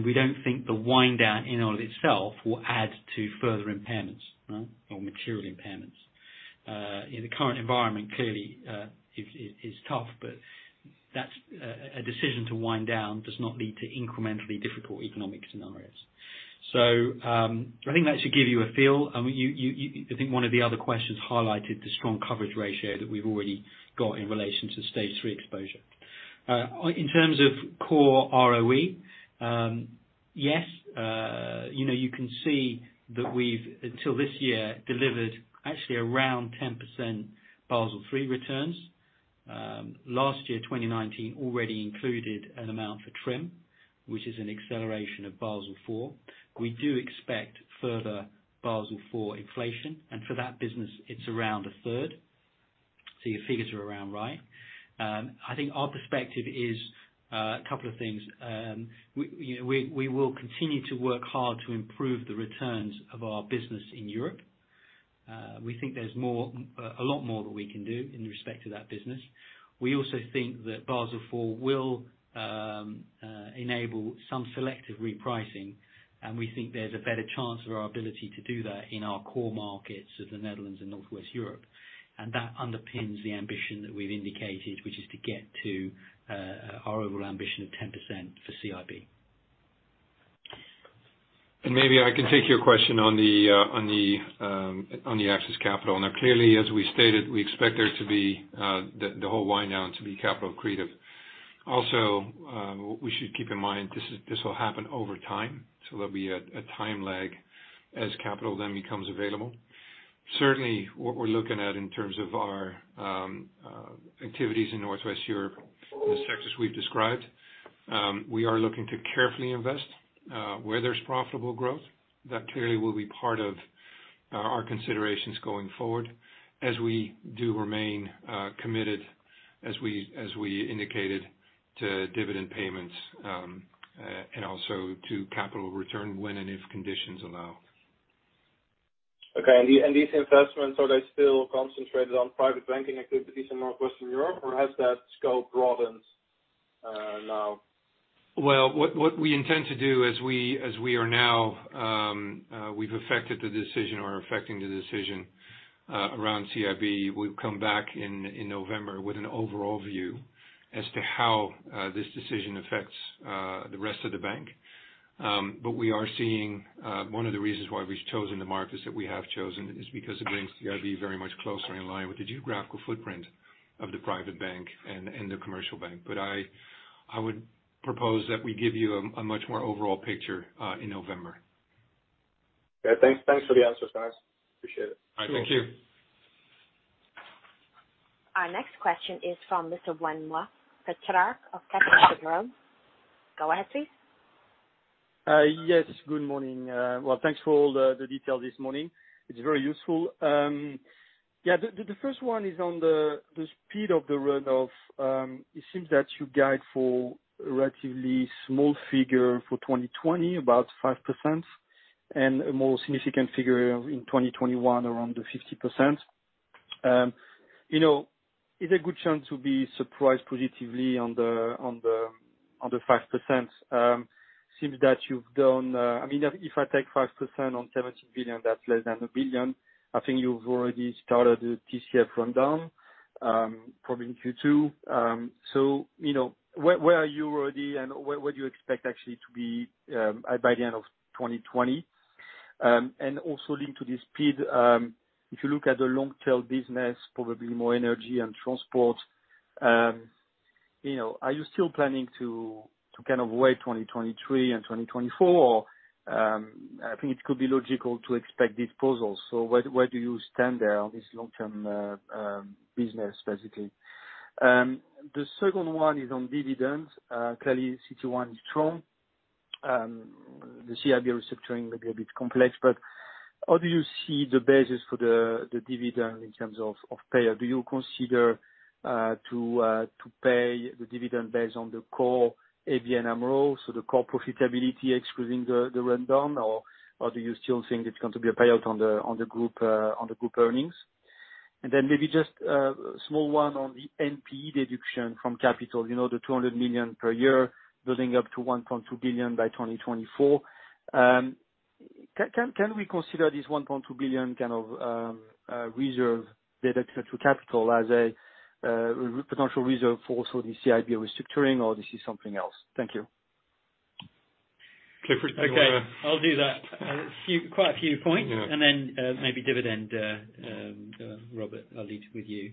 We don't think the wind down in and of itself will add to further impairments, or material impairments. In the current environment, clearly, it is tough, but a decision to wind down does not lead to incrementally difficult economic scenarios. I think that should give you a feel. I think one of the other questions highlighted the strong coverage ratio that we've already got in relation to stage 3 exposure. In terms of core ROE, yes. You can see that we've, until this year, delivered actually around 10% Basel III returns. Last year, 2019, already included an amount for TRIM, which is an acceleration of Basel IV. We do expect further Basel IV inflation. For that business, it's around a third. Your figures are around right. I think our perspective is a couple of things. We will continue to work hard to improve the returns of our business in Europe. We think there's a lot more that we can do in respect to that business. We also think that Basel IV will enable some selective repricing, and we think there's a better chance of our ability to do that in our core markets of the Netherlands and Northwest Europe. That underpins the ambition that we've indicated, which is to get to our overall ambition of 10% for CIB. Maybe I can take your question on the excess capital. Now clearly, as we stated, we expect the whole wind down to be capital accretive. Also, we should keep in mind, this will happen over time, so there'll be a time lag as capital then becomes available. Certainly, what we're looking at in terms of our activities in Northwest Europe, the sectors we've described. We are looking to carefully invest where there's profitable growth. That clearly will be part of our considerations going forward, as we do remain committed, as we indicated, to dividend payments, and also to capital return when and if conditions allow. Okay. These investments, are they still concentrated on private banking activities in Northwest Europe, or has that scope broadened now? Well, what we intend to do as we have affected the decision or are affecting the decision around CIB. We'll come back in November with an overall view as to how this decision affects the rest of the bank. We are seeing one of the reasons why we've chosen the markets that we have chosen is because it brings CIB very much closer in line with the geographical footprint of the private bank and the commercial bank. I would propose that we give you a much more overall picture in November. Yeah. Thanks for the answers, guys. Appreciate it. All right. Thank you. Our next question is from Mr. Benoît Pétrarque of Kepler Cheuvreux. Go ahead, please. Yes. Good morning. Well, thanks for all the detail this morning. It's very useful. The first one is on the speed of the run-off. It seems that you guide for relatively small figure for 2020, about 5%, and a more significant figure in 2021, around the 50%. Is a good chance to be surprised positively on the 5%? If I take 5% on 17 billion, that's less than a billion. I think you've already started the TCF rundown, probably in Q2. Where are you already, and where do you expect actually to be by the end of 2020? Also linked to the speed, if you look at the long tail business, probably more energy and transport. Are you still planning to wait 2023 and 2024? I think it could be logical to expect disposals. Where do you stand there on this long-term business, basically? The second one is on dividends. Clearly, CET1 is strong. The CIB restructuring may be a bit complex, but how do you see the basis for the dividend in terms of payout? Do you consider to pay the dividend based on the core ABN AMRO, so the core profitability excluding the rundown, or do you still think it's going to be a payout on the group earnings? Maybe just a small one on the NPE deduction from capital, the 200 million per year building up to 1.2 billion by 2024. Can we consider this 1.2 billion reserve deduction to capital as a potential reserve for also the CIB restructuring, or this is something else? Thank you. Clifford, did you want? Okay. I'll do that. Quite a few points. Yeah. Maybe dividend, Robert, I'll leave it with you.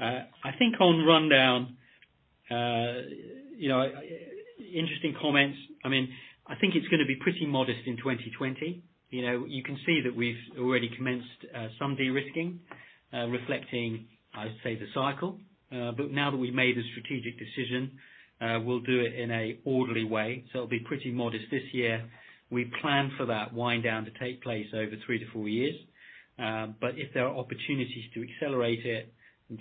I think on rundown, interesting comments. I think it's going to be pretty modest in 2020. You can see that we've already commenced some de-risking, reflecting, I'd say, the cycle. Now that we've made the strategic decision, we'll do it in an orderly way. It'll be pretty modest this year. We plan for that wind down to take place over three to four years. If there are opportunities to accelerate it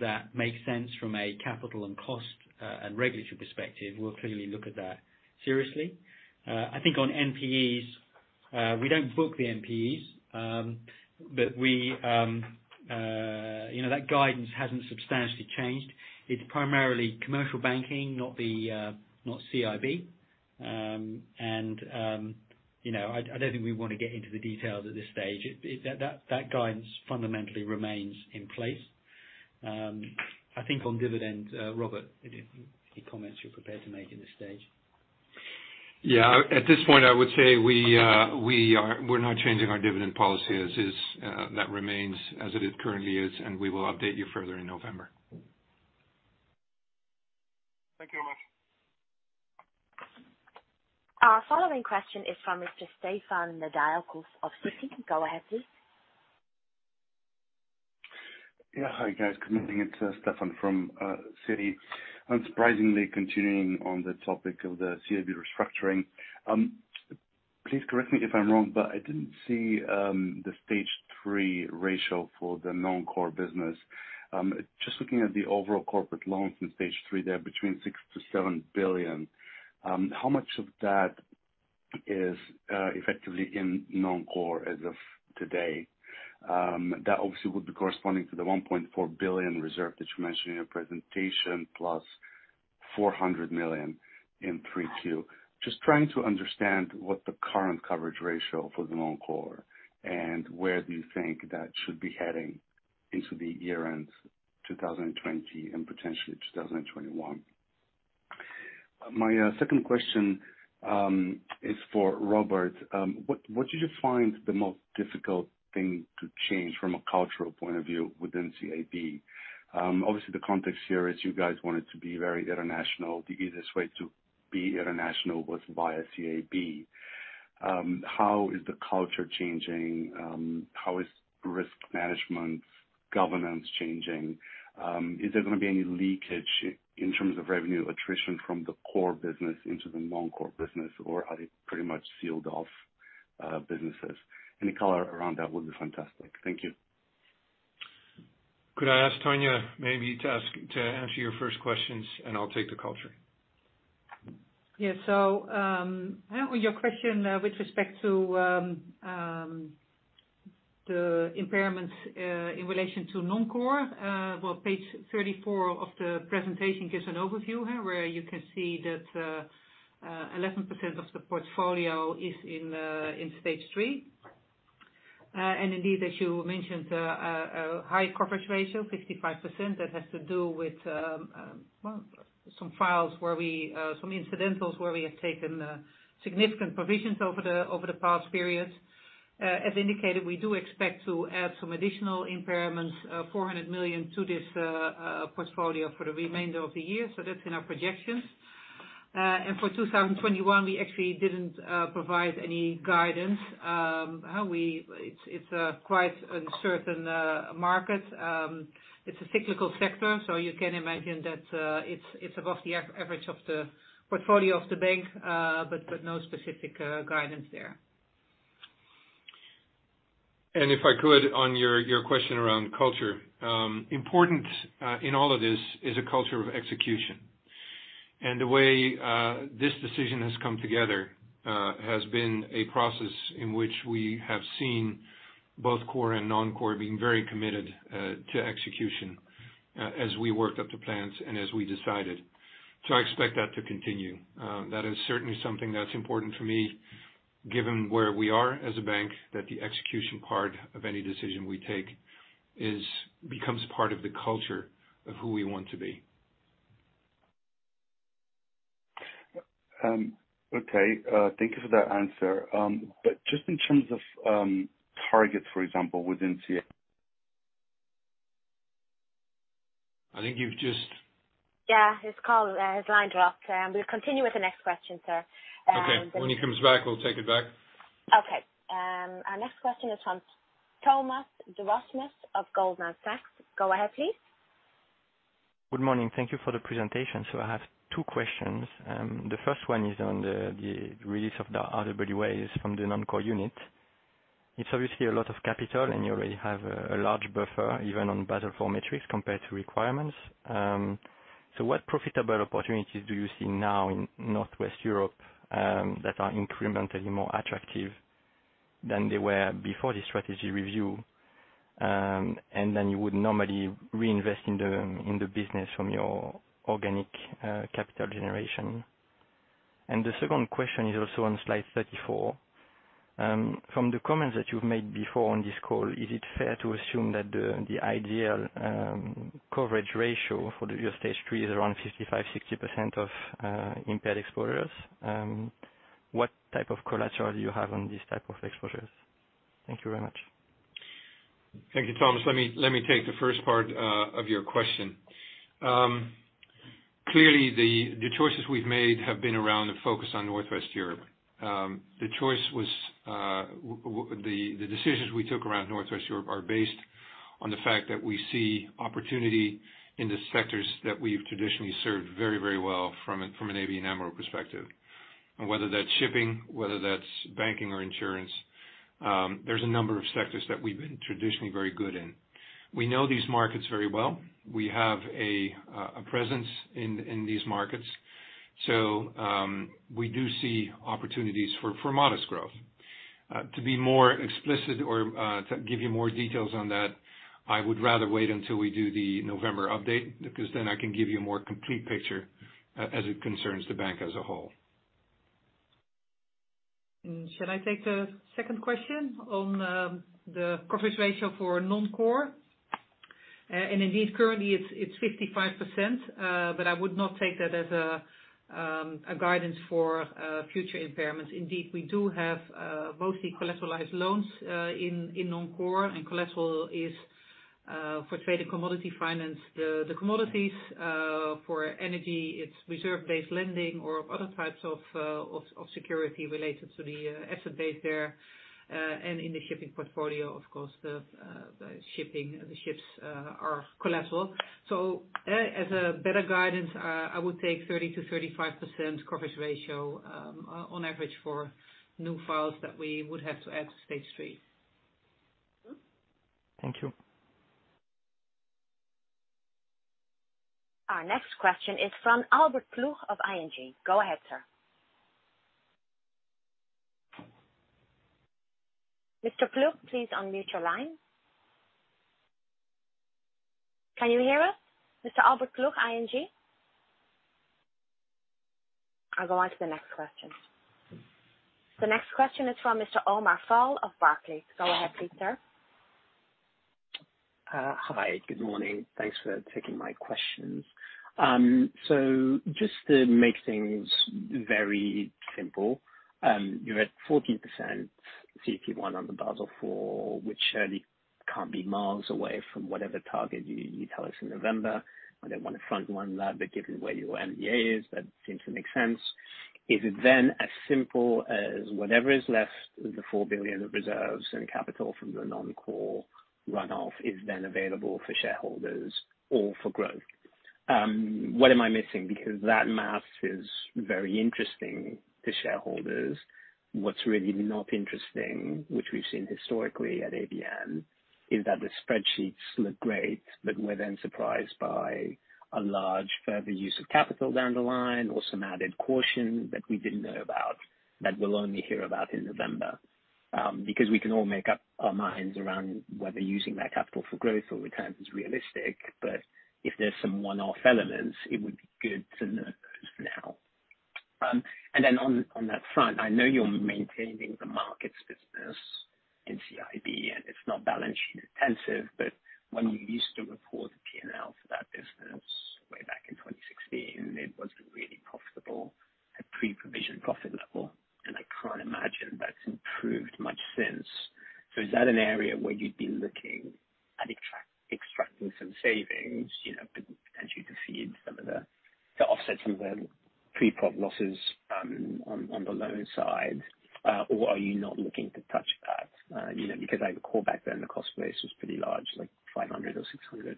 that make sense from a capital and cost and regulatory perspective, we'll clearly look at that seriously. I think on NPEs, we don't book the NPEs. That guidance hasn't substantially changed. It's primarily commercial banking, not CIB. I don't think we want to get into the details at this stage. That guidance fundamentally remains in place. I think on dividend, Robert, any comments you're prepared to make at this stage? Yeah. At this point, I would say we're not changing our dividend policy as is. That remains as it currently is, and we will update you further in November. Thank you very much. Our following question is from Mr. Stefan Nedialkov of Citi. Go ahead, please. Yeah. Hi, guys. Good morning. It's Stefan from Citi. Unsurprisingly continuing on the topic of the CIB restructuring. Please correct me if I'm wrong, but I didn't see the stage 3 ratio for the non-core business. Just looking at the overall corporate loans in stage 3 there, between 6 billion-7 billion. How much of that is effectively in non-core as of today? That obviously would be corresponding to the 1.4 billion reserve that you mentioned in your presentation, +400 million in 3Q. Just trying to understand what the current coverage ratio for the non-core and where do you think that should be heading into the year-end 2020 and potentially 2021. My second question is for Robert. What did you find the most difficult thing to change from a cultural point of view within CIB? Obviously, the context here is you guys wanted to be very international. The easiest way to be international was via CIB. How is the culture changing? How is risk management governance changing? Is there going to be any leakage in terms of revenue attrition from the core business into the non-core business, or are they pretty much sealed off businesses? Any color around that would be fantastic. Thank you. Could I ask Tanja maybe to answer your first questions and I'll take the culture? Yeah. Your question with respect to the impairments in relation to Non-core, well, page 34 of the presentation gives an overview where you can see that 11% of the portfolio is in stage 3. Indeed, as you mentioned, a high coverage ratio, 55%, that has to do with some files, some incidentals where we have taken significant provisions over the past periods. As indicated, we do expect to add some additional impairments, 400 million, to this portfolio for the remainder of the year. That's in our projections. For 2021, we actually didn't provide any guidance. It's quite uncertain market. It's a cyclical sector, you can imagine that it's above the average of the portfolio of the bank, no specific guidance there. If I could, on your question around culture. Important in all of this is a culture of execution. The way this decision has come together has been a process in which we have seen both core and non-core being very committed to execution as we worked up the plans and as we decided. I expect that to continue. That is certainly something that's important for me, given where we are as a bank, that the execution part of any decision we take becomes part of the culture of who we want to be. Okay. Thank you for that answer. Just in terms of targets, for example, within CI-. I think you've just. Yeah, his line dropped. We'll continue with the next question, sir. Okay. When he comes back, we'll take it back. Okay. Our next question is from Thomas Dewasmes of Goldman Sachs. Go ahead, please. Good morning. Thank you for the presentation. I have two questions. The first one is on the release of the RWAs from the non-core unit. It is obviously a lot of capital, and you already have a large buffer even on Basel IV metrics compared to requirements. What profitable opportunities do you see now in Northwest Europe that are incrementally more attractive than they were before the strategy review? You would normally reinvest in the business from your organic capital generation. The second question is also on slide 34. From the comments that you've made before on this call, is it fair to assume that the ideal coverage ratio for your stage 3 is around 55%-60% of impaired exposures? What type of collateral do you have on these type of exposures? Thank you very much. Thank you, Thomas. Let me take the first part of your question. Clearly, the choices we've made have been around the focus on Northwest Europe. The decisions we took around Northwest Europe are based on the fact that we see opportunity in the sectors that we've traditionally served very well from an ABN AMRO perspective. Whether that's shipping, whether that's banking or insurance, there's a number of sectors that we've been traditionally very good in. We know these markets very well. We have a presence in these markets. We do see opportunities for modest growth. To be more explicit or to give you more details on that, I would rather wait until we do the November update, because then I can give you a more complete picture as it concerns the bank as a whole. Should I take the second question on the coverage ratio for non-core? Indeed, currently it's 55%. I would not take that as a guidance for future impairments. Indeed, we do have mostly collateralized loans in non-core. Collateral is for trade and commodity finance, the commodities. For energy, it's reserve-based lending or other types of security related to the asset base there. In the shipping portfolio, of course, the ships are collateral. As a better guidance, I would take 30%-35% coverage ratio on average for new files that we would have to add to stage 3. Thank you. Our next question is from Albert Ploegh of ING. Go ahead, sir. Mr. Ploegh, please unmute your line. Can you hear us, Mr. Albert Ploegh, ING? I'll go on to the next question. The next question is from Mr. Omar Fall of Barclays. Go ahead, please, sir. Hi. Good morning. Thanks for taking my questions. Just to make things very simple, you're at 14% CET1 on the Basel IV, which surely can't be miles away from whatever target you tell us in November. I don't want to front run that, but given where your MDA is, that seems to make sense. Is it then as simple as whatever is left of the 4 billion of reserves and capital from your non-core runoff is then available for shareholders or for growth? What am I missing? That math is very interesting to shareholders. What's really not interesting, which we've seen historically at ABN, is that the spreadsheets look great, but we're then surprised by a large further use of capital down the line or some added caution that we didn't know about that we'll only hear about in November. We can all make up our minds around whether using that capital for growth or returns is realistic. If there's some one-off elements, it would be good to know now. On that front, I know you're maintaining the markets business in CIB, and it's not balance sheet intensive, but when you used to report the P&L for that business way back in 2016, it wasn't really profitable at pre-provision profit level, and I can't imagine that's improved much since. Is that an area where you'd be looking at extracting some savings, potentially to feed some of the to offset some of the pre-prov losses on the loan side? Are you not looking to touch that? I recall back then the cost base was pretty large, like 500 million or 600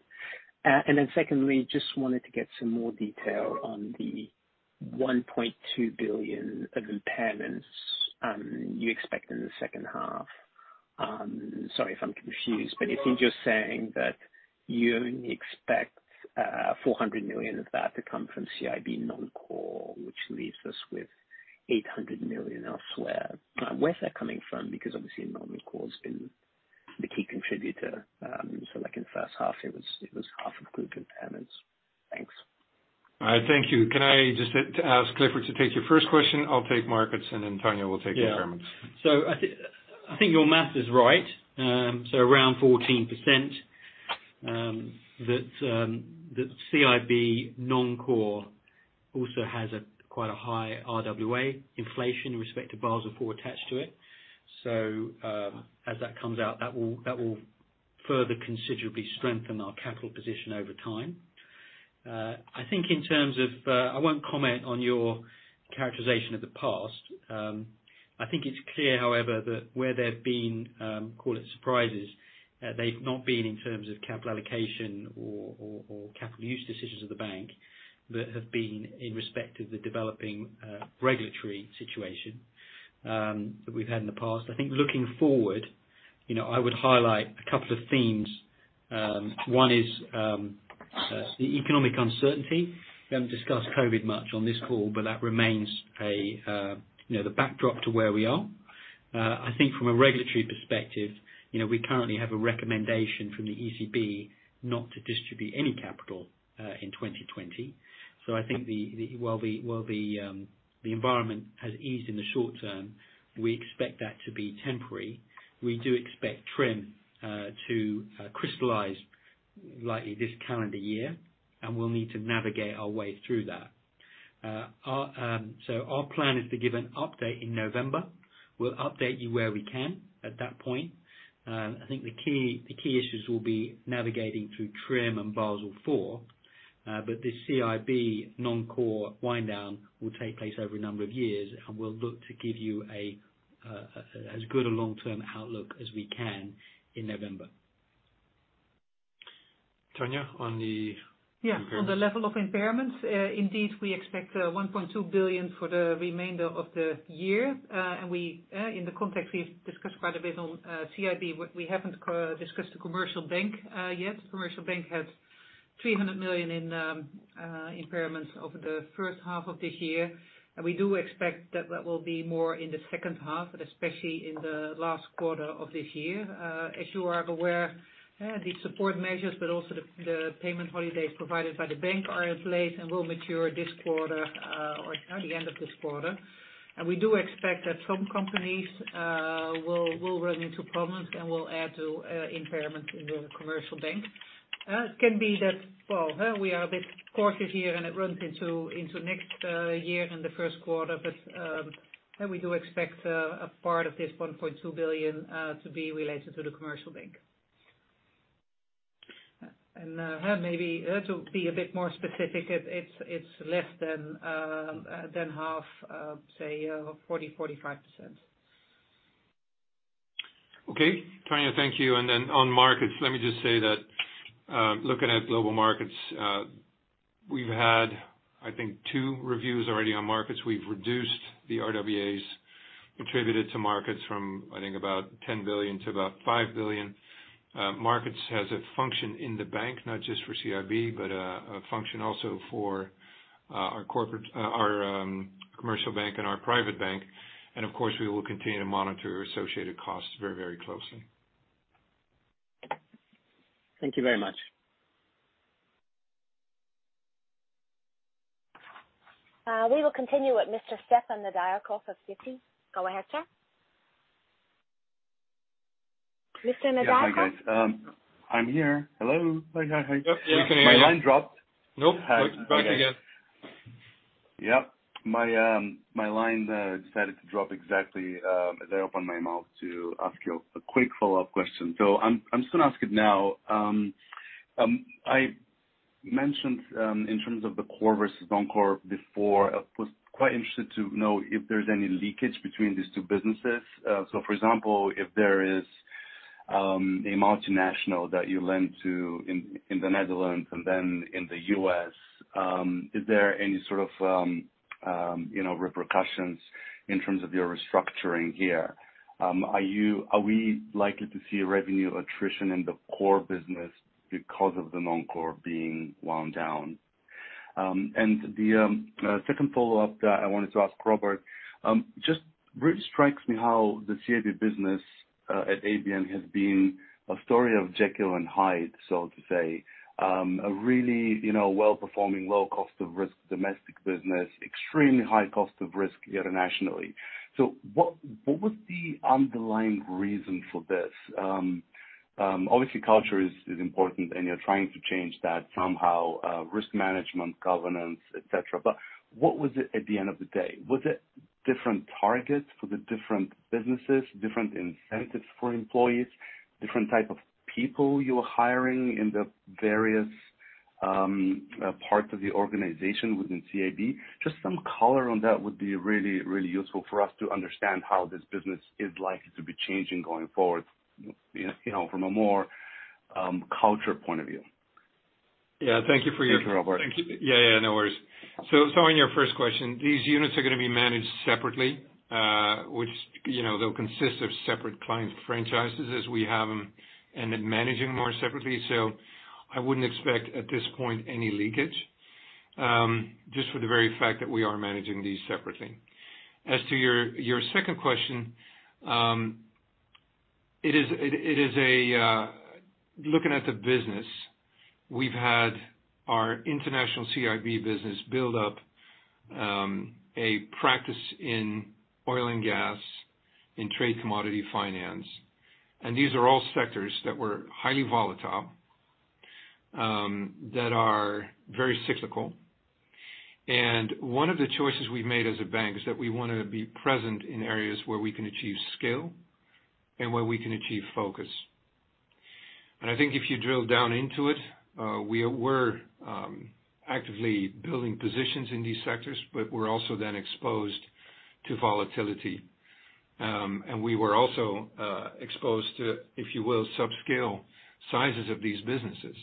million. Secondly, just wanted to get some more detail on the 1.2 billion of impairments you expect in the second half. Sorry if I'm confused, but it seems you're saying that you only expect 400 million of that to come from CIB non-core, which leaves us with 800 million elsewhere. Where's that coming from? Obviously non-core's been the key contributor. Like in the first half, it was half of group impairments. Thanks. Thank you. Can I just ask Clifford to take your first question? I'll take markets, and then Tanja will take impairments. Yeah. I think your math is right. Around 14%. That CIB non-core also has quite a high RWA inflation in respect to Basel IV attached to it. As that comes out, that will further considerably strengthen our capital position over time. I think in terms of I won't comment on your characterization of the past. I think it's clear, however, that where there have been, call it surprises, they've not been in terms of capital allocation or capital use decisions of the bank, that have been in respect of the developing regulatory situation that we've had in the past. I think looking forward, I would highlight a couple of themes. One is the economic uncertainty. We haven't discussed COVID much on this call, but that remains the backdrop to where we are. I think from a regulatory perspective, we currently have a recommendation from the ECB not to distribute any capital in 2020. I think while the environment has eased in the short term, we expect that to be temporary. We do expect TRIM to crystallize likely this calendar year, and we'll need to navigate our way through that. Our plan is to give an update in November. We'll update you where we can at that point. I think the key issues will be navigating through TRIM and Basel IV. This CIB non-core wind down will take place over a number of years, and we'll look to give you as good a long-term outlook as we can in November. Tanja, on the impairments. Yeah. On the level of impairments, indeed, we expect 1.2 billion for the remainder of the year. In the context we've discussed quite a bit on CIB, we haven't discussed the commercial bank yet. The commercial bank had 300 million in impairments over the first half of this year. We do expect that that will be more in the second half, and especially in the last quarter of this year. As you are aware, the support measures, but also the payment holidays provided by the bank are in place and will mature this quarter or the end of this quarter. We do expect that some companies will run into problems and will add to impairments in the commercial bank. It can be that, well, we are a bit cautious here and it runs into next year in the first quarter. We do expect a part of this 1.2 billion to be related to the commercial bank. Maybe to be a bit more specific, it's less than half, say, 40%, 45%. Okay. Tanja, thank you. On markets, let me just say that, looking at global markets, we've had, I think, two reviews already on markets. We've reduced the RWAs attributed to markets from, I think, about 10 billion to about 5 billion. Markets has a function in the bank, not just for CIB, but a function also for our commercial bank and our private bank. Of course, we will continue to monitor associated costs very closely. Thank you very much. We will continue with Mr. Stefan Nedialkov of Citi. Go ahead, sir. Mr. Nedialkov? Yeah. Hi, guys. I'm here. Hello. Hi. Yep, we can hear you. My line dropped. Nope. Back again. Yep. My line decided to drop exactly as I opened my mouth to ask you a quick follow-up question. I'm just going to ask it now. I mentioned in terms of the core versus non-core before, I was quite interested to know if there's any leakage between these two businesses. For example, if there is a multinational that you lend to in the Netherlands and then in the U.S., is there any repercussions in terms of your restructuring here? Are we likely to see a revenue attrition in the core business because of the non-core being wound down? The second follow-up that I wanted to ask Robert, just really strikes me how the CIB business at ABN has been a story of Jekyll and Hyde, so to say. A really well-performing, low cost of risk domestic business, extremely high cost of risk internationally. What was the underlying reason for this? Obviously, culture is important and you're trying to change that somehow, risk management, governance, et cetera. What was it at the end of the day? Was it different targets for the different businesses, different incentives for employees, different type of people you were hiring in the various parts of the organization within CIB? Just some color on that would be really useful for us to understand how this business is likely to be changing going forward, from a more culture point of view. Yeah. Thank you. Thank you, Robert. Yeah. No worries. On your first question, these units are going to be managed separately, which they'll consist of separate client franchises as we have them, and then managing them more separately. I wouldn't expect, at this point, any leakage, just for the very fact that we are managing these separately. As to your second question, looking at the business, we've had our international CIB business build up a practice in oil and gas, in trade commodity finance. These are all sectors that were highly volatile, that are very cyclical. One of the choices we've made as a bank is that we want to be present in areas where we can achieve scale and where we can achieve focus. I think if you drill down into it, we were actively building positions in these sectors, but we're also then exposed to volatility. We were also exposed to, if you will, subscale sizes of these businesses.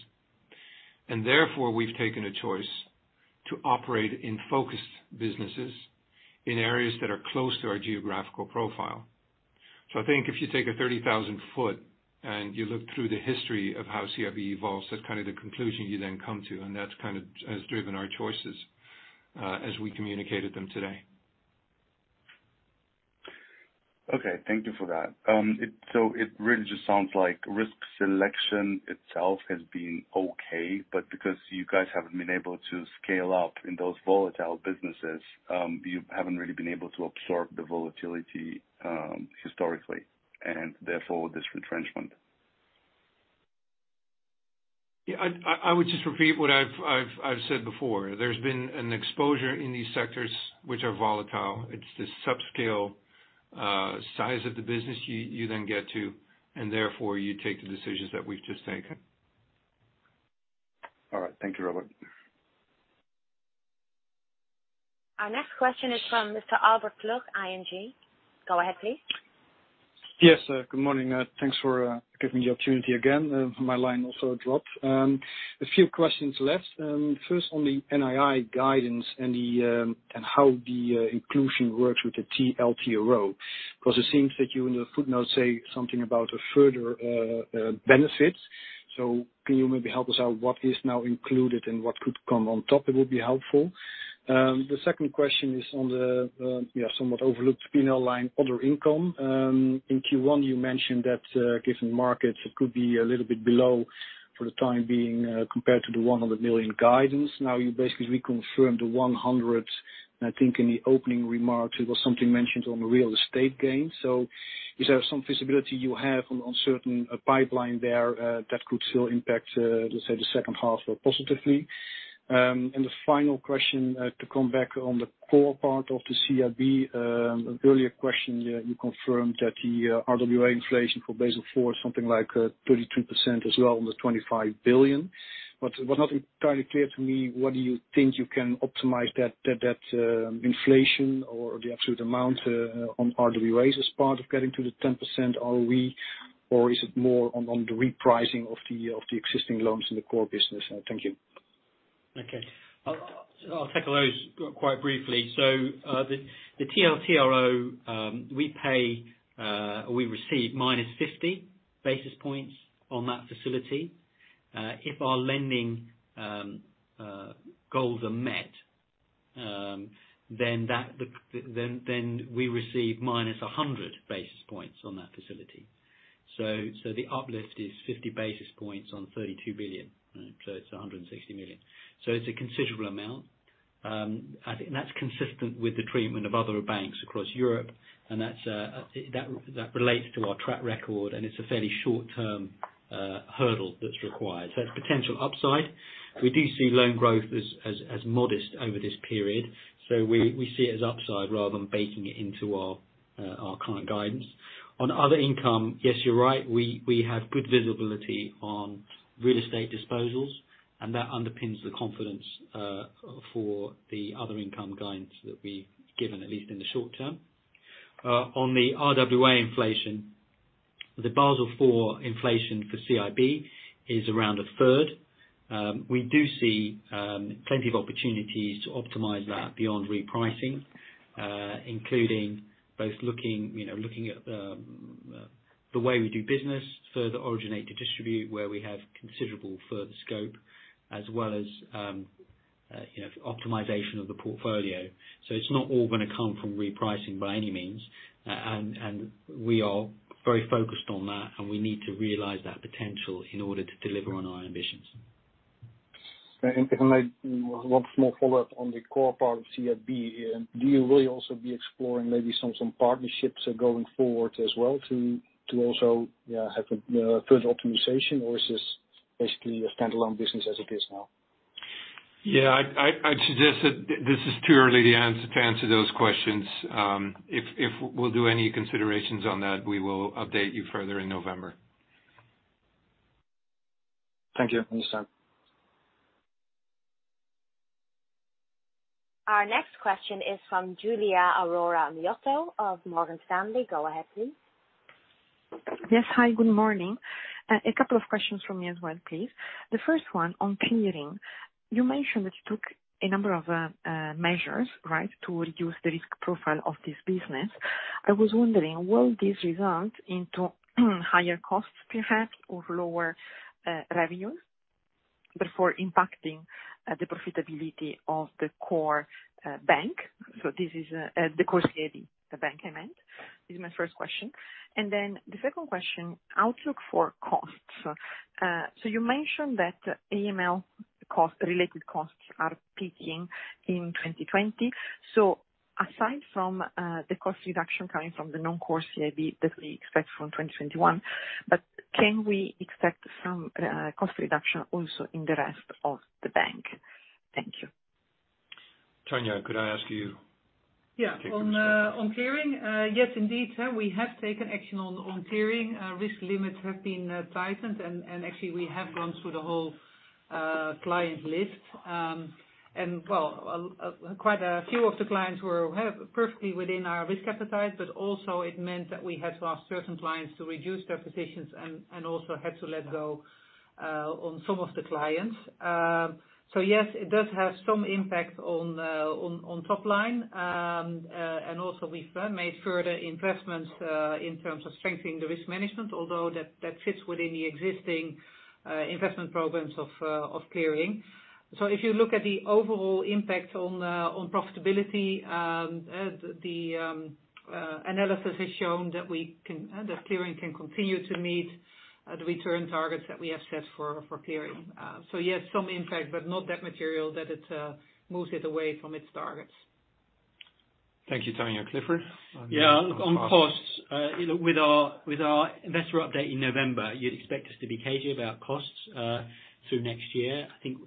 Therefore, we've taken a choice to operate in focused businesses in areas that are close to our geographical profile. I think if you take a 30,000 foot and you look through the history of how CIB evolves, that's the conclusion you then come to, and that has driven our choices as we communicated them today. Okay. Thank you for that. It really just sounds like risk selection itself has been okay, but because you guys haven't been able to scale up in those volatile businesses, you haven't really been able to absorb the volatility historically, and therefore this retrenchment. Yeah. I would just repeat what I've said before. There's been an exposure in these sectors which are volatile. It's the subscale size of the business you then get to, and therefore you take the decisions that we've just taken. All right. Thank you, Robert. Our next question is from Mr. Albert Ploegh, ING. Go ahead, please. Yes. Good morning. Thanks for giving me the opportunity again. My line also dropped. A few questions left. First, on the NII guidance and how the inclusion works with the TLTRO. It seems that you, in the footnote, say something about a further benefit. Can you maybe help us out what is now included and what could come on top? It would be helpful. The second question is on the somewhat overlooked P&L line, other income. In Q1, you mentioned that given markets, it could be a little bit below for the time being compared to the 100 million guidance. You basically reconfirm the 100 million. I think in the opening remarks, it was something mentioned on the real estate gain. Is there some visibility you have on certain pipeline there that could still impact, let's say, the second half positively? The final question, to come back on the core part of the CIB. Earlier question, you confirmed that the RWA inflation for Basel IV is something like 32% as well, almost 25 billion. What's not entirely clear to me, what do you think you can optimize that inflation or the absolute amount on RWAs as part of getting to the 10% ROE, or is it more on the repricing of the existing loans in the core business? Thank you. Okay. I'll tackle those quite briefly. The TLTRO, we receive minus 50 basis points on that facility. If our lending goals are met, we receive minus 100 basis points on that facility. The uplift is 50 basis points on 32 billion. It's 160 million. It's a considerable amount. I think that's consistent with the treatment of other banks across Europe, that relates to our track record, it's a fairly short-term hurdle that's required. That's potential upside. We do see loan growth as modest over this period, we see it as upside rather than baking it into our current guidance. On other income, yes, you're right. We have good visibility on real estate disposals, that underpins the confidence for the other income guidance that we've given, at least in the short-term. On the RWA inflation, the Basel IV inflation for CIB is around a third. We do see plenty of opportunities to optimize that beyond repricing, including both looking at the way we do business, further originate to distribute, where we have considerable further scope, as well as optimization of the portfolio. It's not all going to come from repricing by any means. We are very focused on that, and we need to realize that potential in order to deliver on our ambitions. If I may, one small follow-up on the core part of CIB. Will you also be exploring maybe some partnerships going forward as well to also have a further optimization, or is this basically a standalone business as it is now? Yeah. I'd suggest that this is too early to answer those questions. If we'll do any considerations on that, we will update you further in November. Thank you. Understand. Our next question is from Giulia Aurora Miotto of Morgan Stanley. Go ahead, please. Yes. Hi, good morning. A couple of questions from me as well, please. The first one on clearing. You mentioned that you took a number of measures, right, to reduce the risk profile of this business. I was wondering, will this result into higher costs, perhaps, or lower revenues before impacting the profitability of the core bank? This is the core CIB, the bank, I meant. This is my first question. The second question, outlook for costs. You mentioned that AML related costs are peaking in 2020. Aside from the cost reduction coming from the non-core CIB that we expect from 2021, can we expect some cost reduction also in the rest of the bank? Thank you. Tanja, could I ask you to take this one? Yeah. On clearing, yes, indeed. We have taken action on clearing. Risk limits have been tightened, and actually, we have gone through the whole client list. Well, quite a few of the clients were perfectly within our risk appetite, but also it meant that we had to ask certain clients to reduce their positions and also had to let go on some of the clients. Yes, it does have some impact on top line. Also we've made further investments in terms of strengthening the risk management, although that fits within the existing investment programs of clearing. If you look at the overall impact on profitability, the analysis has shown that clearing can continue to meet the return targets that we have set for clearing. Yes, some impact, but not that material that it moves it away from its targets. Thank you, Tanja. Clifford, on costs. Yeah. On costs, with our investor update in November, you'd expect us to be cagey about costs through next year. I think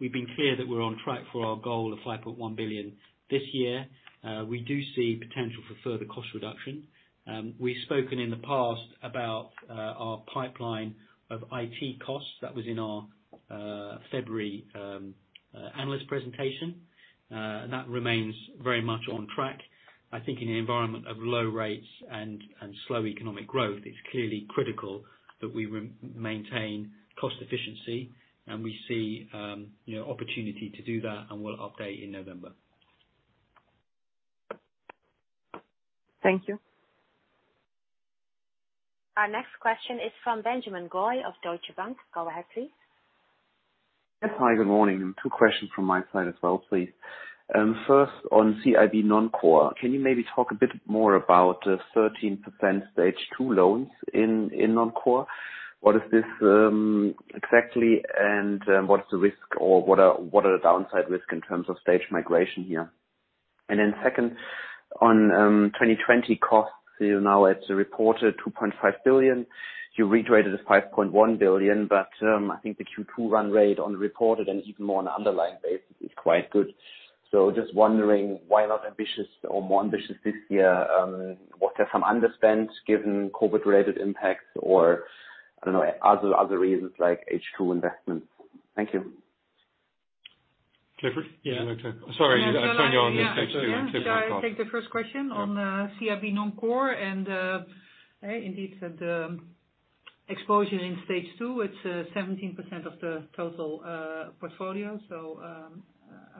we've been clear that we're on track for our goal of 5.1 billion this year. We do see potential for further cost reduction. We've spoken in the past about our pipeline of IT costs. That was in our February analyst presentation. That remains very much on track. I think in an environment of low rates and slow economic growth, it's clearly critical that we maintain cost efficiency, and we see opportunity to do that, and we'll update in November. Thank you. Our next question is from Benjamin Goy of Deutsche Bank. Go ahead, please. Yes. Hi, good morning. Two questions from my side as well, please. First, on CIB non-core, can you maybe talk a bit more about the 13% stage 2 loans in non-core? What is this exactly and what is the risk, or what are the downside risks in terms of stage migration here? Second, on 2020 costs, now it is reported 2.5 billion. You reiterated to 5.1 billion, I think the Q2 run rate on the reported and even more on an underlying basis is quite good. Just wondering why not ambitious or more ambitious this year. Was there some underspend given COVID-related impacts or other reasons like H2 investments? Thank you. Clifford? Yeah. Sorry, Tanja on the stage 2. Should I take the first question on CIB non-core and indeed the exposure in stage 2, it's 17% of the total portfolio, so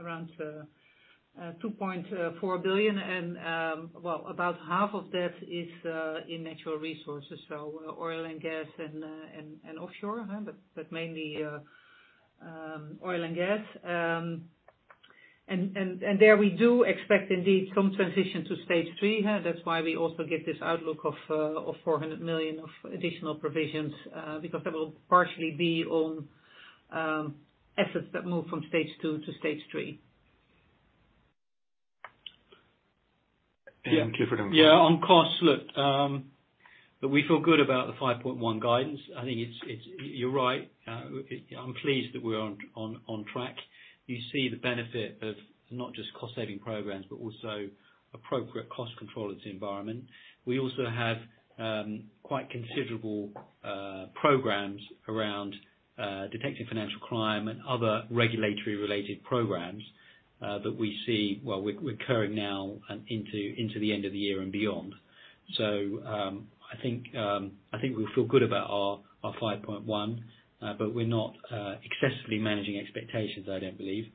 around 2.4 billion. Well, about half of that is in natural resources. Oil and gas and offshore. Mainly oil and gas. There we do expect indeed some transition to stage 3. That's why we also give this outlook of 400 million of additional provisions, because that will partially be on assets that move from stage 2 to stage 3. Clifford. Yeah. On costs, look. We feel good about the 5.1 guidance. I think you're right. I'm pleased that we're on track. You see the benefit of not just cost saving programs, but also appropriate cost control of the environment. We also have quite considerable programs around detecting financial crime and other regulatory related programs that we see recurring now and into the end of the year and beyond. I think we feel good about our 5.1, but we're not excessively managing expectations, I don't believe.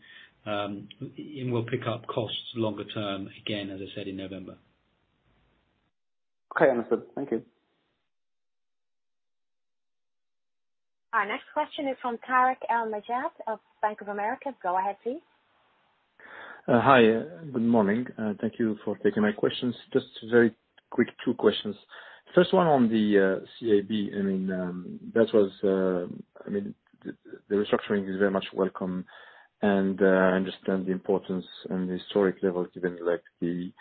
We'll pick up costs longer term again, as I said in November. Okay, understood. Thank you. Our next question is from Tarik El Mejjad of Bank of America. Go ahead, please. Hi. Good morning. Thank you for taking my questions. Just very quick two questions. First one on the CIB. The restructuring is very much welcome and I understand the importance and the historic level, given the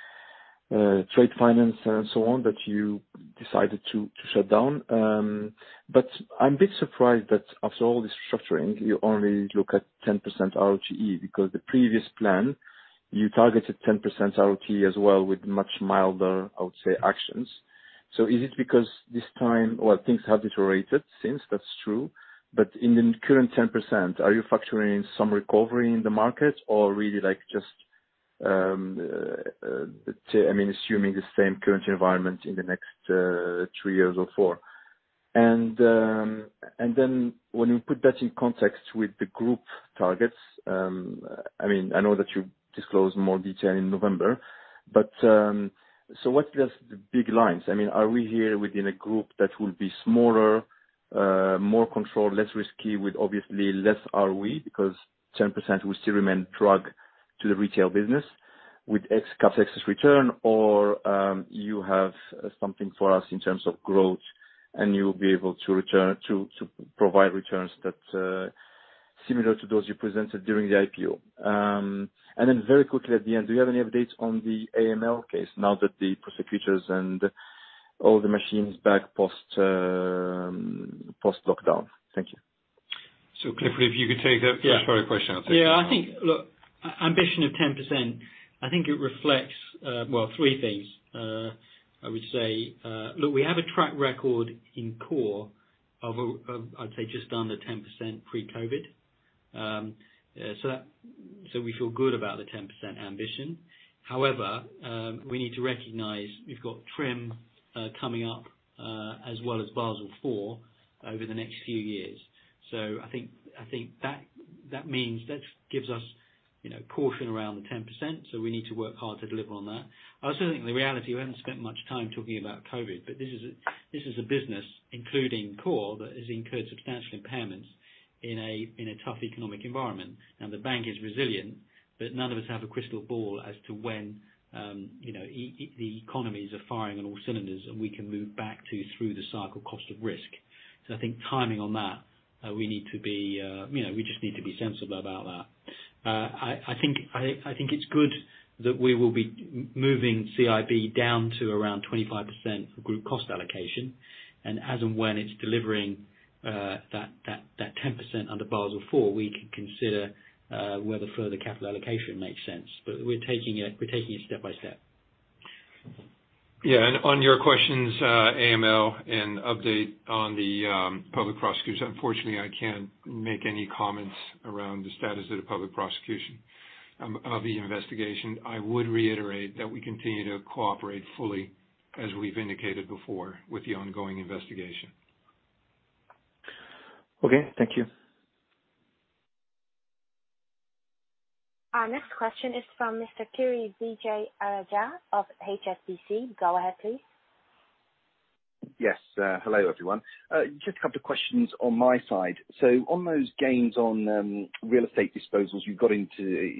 trade finance and so on, that you decided to shut down. I'm a bit surprised that after all this restructuring, you only look at 10% ROTE, because the previous plan, you targeted 10% ROTE as well with much milder, I would say, actions. Is it because this time, well, things have deteriorated since, that's true. In the current 10%, are you factoring in some recovery in the market or really just assuming the same current environment in the next three years or four? When you put that in context with the group targets, I know that you disclose more detail in November, what's just the big lines? Are we here within a group that will be smaller, more controlled, less risky, with obviously less ROE, because 10% will still remain dragged to the retail business with excess cap, excess return, or you have something for us in terms of growth and you will be able to provide returns that similar to those you presented during the IPO? Then very quickly at the end, do you have any updates on the AML case now that the prosecutors and all the machines back post-lockdown? Thank you. Clifford, if you could take the first part of the question. I'll take the second one. Look, ambition of 10%, I think it reflects three things. Look, we have a track record in core of, I'd say, just under 10% pre-COVID. We feel good about the 10% ambition. However, we need to recognize we've got TRIM coming up as well as Basel IV over the next few years. I think that gives us caution around the 10%. We need to work hard to deliver on that. I also think the reality, we haven't spent much time talking about COVID, but this is a business, including core, that has incurred substantial impairments in a tough economic environment. Now the bank is resilient, but none of us have a crystal ball as to when the economies are firing on all cylinders and we can move back to through the cycle cost of risk. I think timing on that, we just need to be sensible about that. I think it's good that we will be moving CIB down to around 25% for group cost allocation. As and when it's delivering that 10% under Basel IV, we can consider whether further capital allocation makes sense. We're taking it step by step. Yeah. On your questions, AML and update on the public prosecutors. Unfortunately, I cannot make any comments around the status of the public prosecution of the investigation. I would reiterate that we continue to cooperate fully, as we have indicated before, with the ongoing investigation. Okay. Thank you. Our next question is from Mr. Kiri Vijayarajah of HSBC. Go ahead please. Yes. Hello, everyone. Just a couple questions on my side. On those gains on real estate disposals you've got in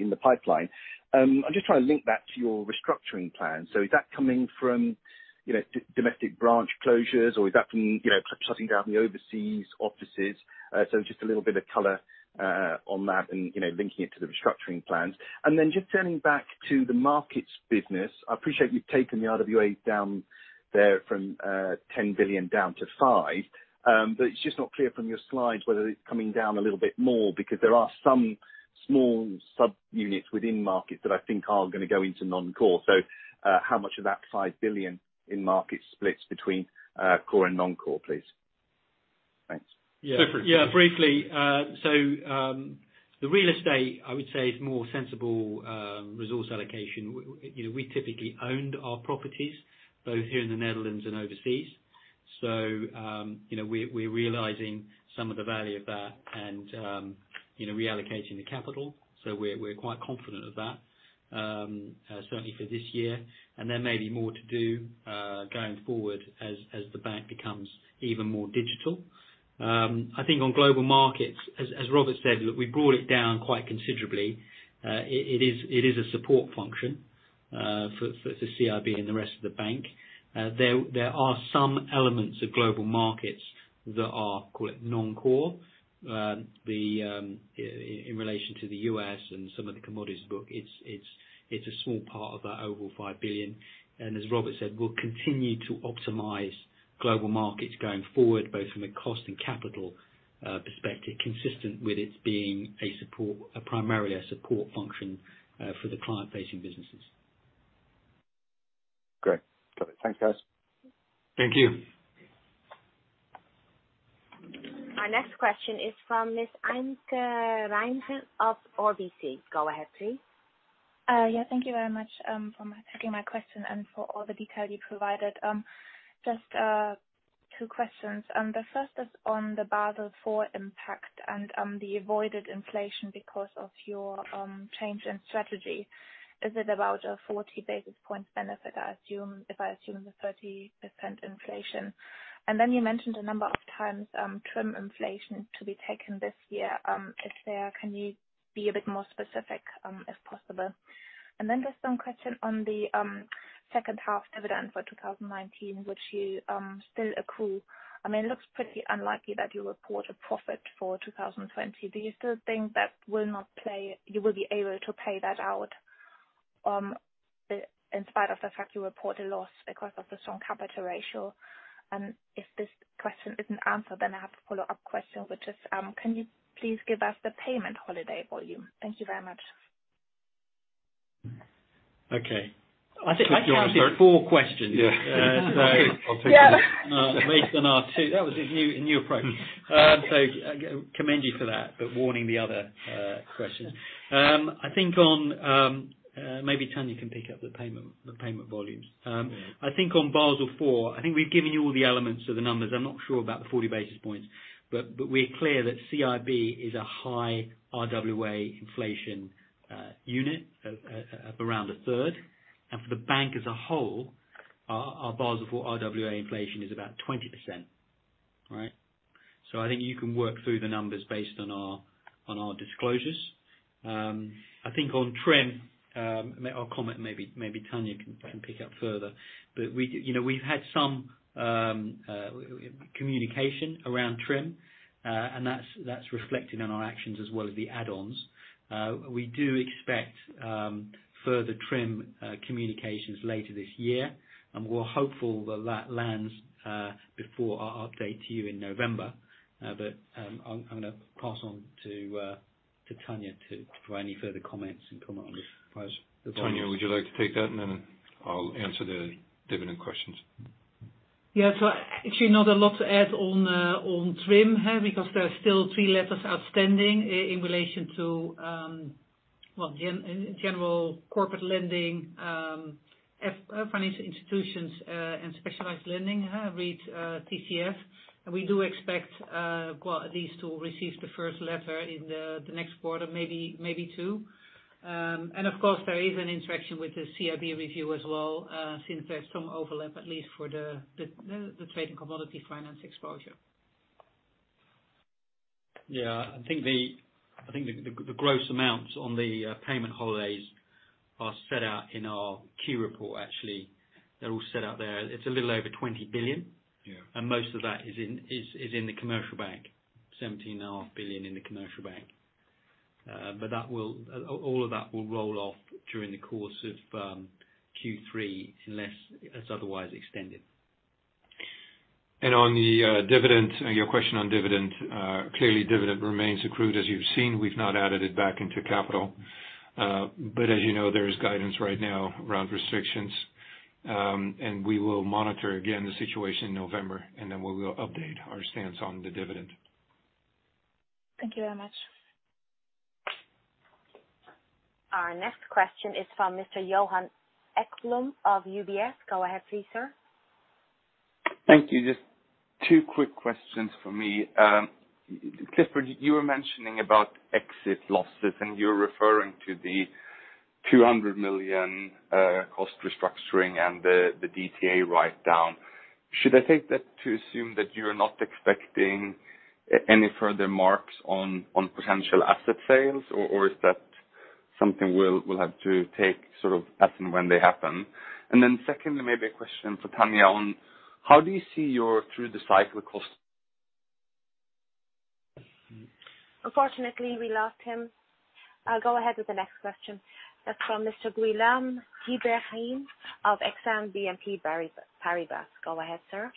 the pipeline, I'm just trying to link that to your restructuring plan. Is that coming from domestic branch closures or is that from perhaps shutting down the overseas offices? Just a little bit of color on that and linking it to the restructuring plans. Just turning back to the markets business. I appreciate you've taken the RWA down there from 10 billion down to 5 billion. It's just not clear from your slides whether it's coming down a little bit more because there are some small subunits within markets that I think are going to go into non-core. How much of that 5 billion in market splits between core and non-core, please? Thanks. Yeah. Briefly. The real estate, I would say is more sensible resource allocation. We typically owned our properties both here in the Netherlands and overseas. We're realizing some of the value of that and reallocating the capital. We're quite confident of that. Certainly for this year. There may be more to do going forward as the bank becomes even more digital. I think on global markets, as Robert said, look, we brought it down quite considerably. It is a support function for CIB and the rest of the bank. There are some elements of global markets that are, call it non-core, in relation to the U.S. and some of the commodities book. It's a small part of that overall 5 billion. As Robert said, we'll continue to optimize global markets going forward, both from a cost and capital perspective, consistent with it being primarily a support function for the client-facing businesses. Great. Got it. Thanks, guys. Thank you. Our next question is from Ms. Anke Reingen of RBC. Go ahead, please. Thank you very much for taking my question and for all the detail you provided. Just two questions. The first is on the Basel IV impact and the avoided inflation because of your change in strategy. Is it about a 40 basis points benefit if I assume the 30% inflation? You mentioned a number of times TRIM inflation to be taken this year. If there, can you be a bit more specific, if possible? There's one question on the second half dividend for 2019, which you still accrue. It looks pretty unlikely that you report a profit for 2020. Do you still think that you will be able to pay that out in spite of the fact you report a loss because of the strong capital ratio? If this question isn't answered, then I have a follow-up question, which is, can you please give us the payment holiday volume? Thank you very much. I counted four questions. Based on our two. That was a new approach. I commend you for that, but warning the other questions. Maybe Tanja can pick up the payment volumes. I think on Basel IV, I think we've given you all the elements of the numbers. I'm not sure about the 40 basis points, but we're clear that CIB is a high RWA inflation unit of around a third. For the bank as a whole, our Basel IV RWA inflation is about 20%. Right? I think you can work through the numbers based on our disclosures. I think on TRIM, I'll comment, maybe Tanja can pick up further. We've had some communication around TRIM, and that's reflected in our actions as well as the add-ons. We do expect further TRIM communications later this year. We're hopeful that that lands before our update to you in November. I'm going to pass on to Tanja for any further comments and comment on the first. Tanja, would you like to take that, and then I'll answer the dividend questions? Yeah. Actually not a lot to add on TRIM because there are still three letters outstanding in relation to general corporate lending, financial institutions, and specialized lending, read TCF. We do expect these to receive the first letter in the next quarter, maybe two. Of course, there is an interaction with the CIB review as well, since there's some overlap, at least for the trade and commodity finance exposure. Yeah. I think the gross amounts on the payment holidays are set out in our Q report, actually. They're all set out there. It's a little over 20 billion. Yeah. Most of that is in the commercial bank. 17.5 billion in the commercial bank. All of that will roll off during the course of Q3 unless it's otherwise extended. On the dividend, your question on dividend. Clearly, dividend remains accrued. As you've seen, we've not added it back into capital. As you know, there is guidance right now around restrictions. We will monitor again the situation in November, and then we will update our stance on the dividend. Thank you very much. Our next question is from Mr. Johan Ekblom of UBS. Go ahead please, sir. Thank you. Just two quick questions for me. Clifford, you were mentioning about exit losses. You're referring to the 200 million cost restructuring and the DTA write-down. Should I take that to assume that you're not expecting any further marks on potential asset sales, or is that something we'll have to take sort of as and when they happen? Secondly, maybe a question for Tanja on how do you see your through-the-cycle cost- Unfortunately, we lost him. I'll go ahead with the next question. That's from Mr. Guillaume Tiberghien of Exane BNP Paribas. Go ahead, sir.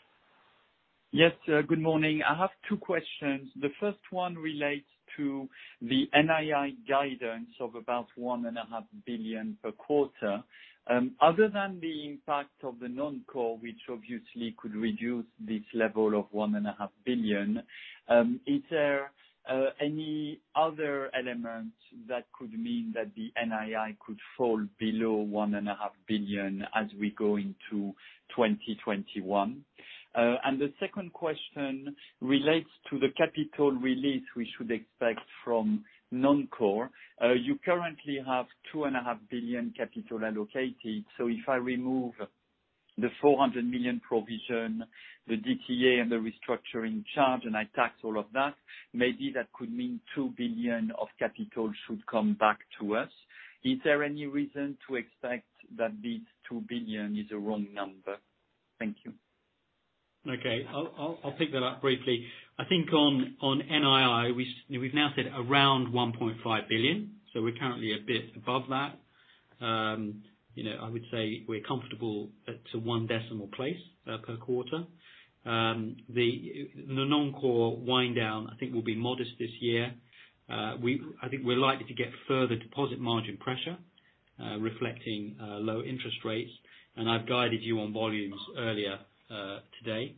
Yes. Good morning. I have two questions. The first one relates to the NII guidance of about 1.5 billion per quarter. Other than the impact of the non-core, which obviously could reduce this level of 1.5 billion, is there any other element that could mean that the NII could fall below 1.5 billion as we go into 2021? The second question relates to the capital release we should expect from non-core. You currently have 2.5 billion capital allocated. If I remove the 400 million provision, the DTA and the restructuring charge, and I tax all of that, maybe that could mean 2 billion of capital should come back to us. Is there any reason to expect that this 2 billion is a wrong number? Thank you. Okay. I'll pick that up briefly. I think on NII, we've now said around 1.5 billion, so we're currently a bit above that. I would say we're comfortable to one decimal place per quarter. The non-core wind down I think will be modest this year. I think we're likely to get further deposit margin pressure reflecting low interest rates, and I've guided you on volumes earlier today.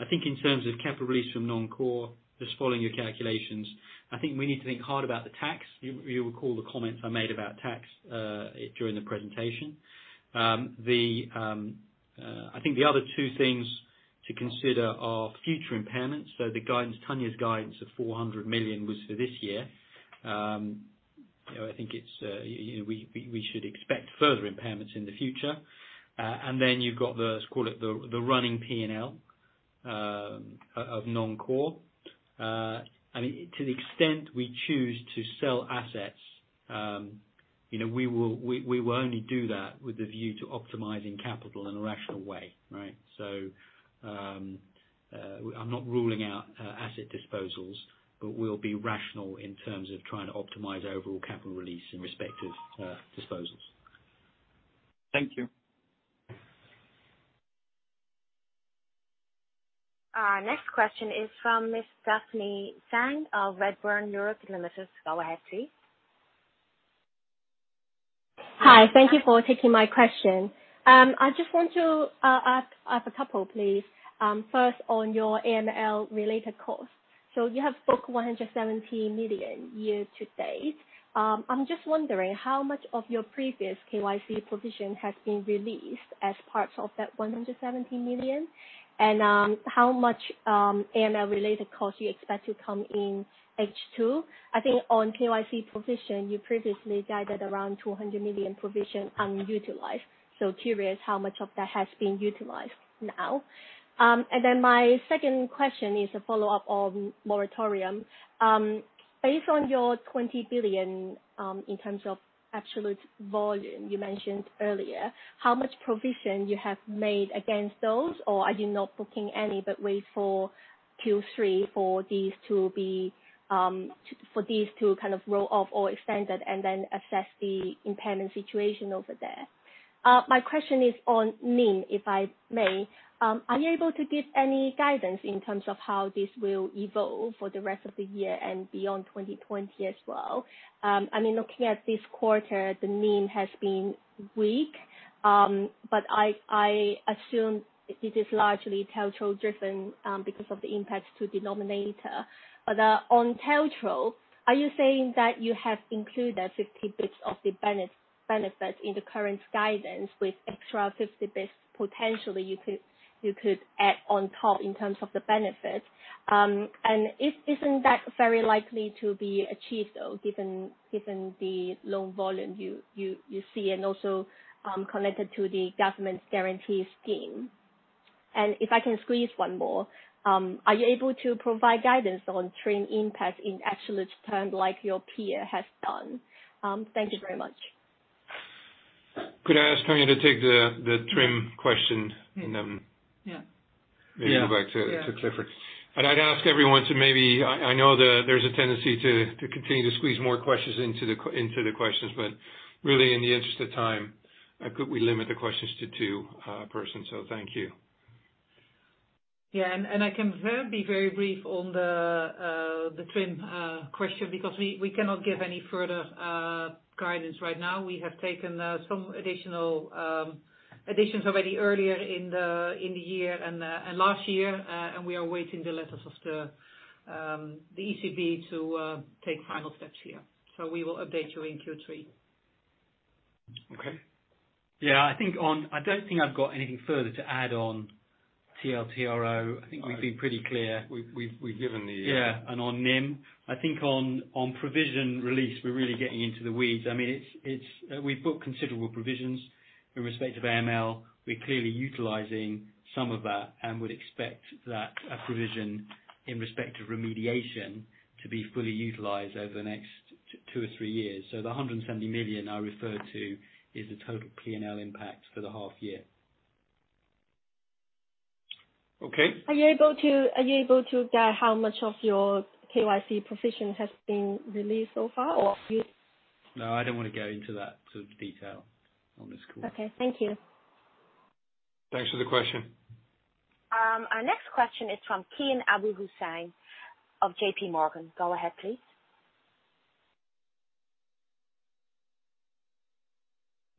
I think in terms of capital release from non-core, just following your calculations, I think we need to think hard about the tax. You recall the comments I made about tax during the presentation. I think the other two things to consider are future impairments. Tanja's guidance of 400 million was for this year. I think we should expect further impairments in the future. You've got the, let's call it the running P&L of non-core. To the extent we choose to sell assets, we will only do that with a view to optimizing capital in a rational way. Right? I'm not ruling out asset disposals, but we'll be rational in terms of trying to optimize overall capital release in respective disposals. Thank you. Our next question is from Ms. Daphne Tsang of Redburn Europe Limited. Go ahead, please. Hi. Thank you for taking my question. I just want to ask a couple, please. First, on your AML related costs. You have booked 170 million year to date. I'm just wondering how much of your previous KYC provision has been released as parts of that 170 million, and how much AML related costs you expect to come in H2. I think on KYC provision, you previously guided around 200 million provision unutilized. Curious how much of that has been utilized now. My second question is a follow-up on moratorium. Based on your 20 billion in terms of absolute volume you mentioned earlier, how much provision you have made against those, or are you not booking any but wait for Q3 for these to roll off or extend it and then assess the impairment situation over there? My question is on NIM, if I may. Are you able to give any guidance in terms of how this will evolve for the rest of the year and beyond 2020 as well? I mean, looking at this quarter, the NIM has been weak, but I assume this is largely TLTRO driven because of the impact to denominator. On TLTRO, are you saying that you have included 50 basis points of the benefit in the current guidance with extra 50 basis points potentially you could add on top in terms of the benefit? Isn't that very likely to be achieved, though, given the loan volume you see and also connected to the government's guarantee scheme? If I can squeeze one more. Are you able to provide guidance on TRIM impact in absolute terms like your peer has done? Thank you very much. Could I ask Tanja to take the TRIM question. Yeah. Maybe go back to Clifford. I'd ask everyone to maybe I know there's a tendency to continue to squeeze more questions into the questions, but really, in the interest of time, could we limit the questions to two per person? Thank you. Yeah. I can be very brief on the TRIM question because we cannot give any further guidance right now. We have taken some additions already earlier in the year and last year, and we are waiting the letters of the ECB to take final steps here. We will update you in Q3. Okay. Yeah. I don't think I've got anything further to add on TLTRO. I think we've been pretty clear. We've given. On NIM. I think on provision release, we're really getting into the weeds. We've booked considerable provisions in respect of AML. We're clearly utilizing some of that and would expect that a provision in respect of remediation to be fully utilized over the next two or three years. The 170 million I referred to is the total P&L impact for the half year. Okay. Are you able to get how much of your KYC provision has been released so far or? No, I don't want to go into that sort of detail on this call. Okay. Thank you. Thanks for the question. Our next question is from Kian Abouhossein of JPMorgan. Go ahead, please.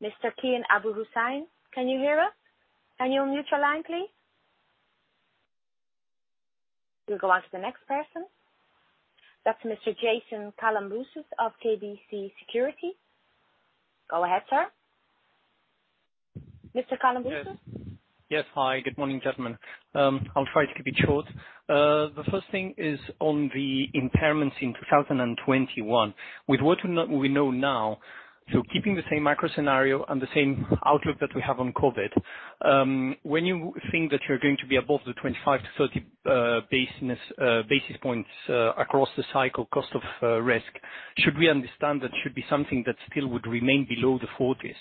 Mr. Kian Abouhossein, can you hear us? Can you unmute your line, please? We'll go on to the next person. That's Mr. Jason Kalamboussis of KBC Securities. Go ahead, sir. Mr. Kalamboussis? Yes. Hi, good morning, gentlemen. I'll try to keep it short. The first thing is on the impairments in 2021. With what we know now, so keeping the same macro scenario and the same outlook that we have on COVID, when you think that you're going to be above the 25-30 basis points across the cycle cost of risk, should we understand that should be something that still would remain below the 40s?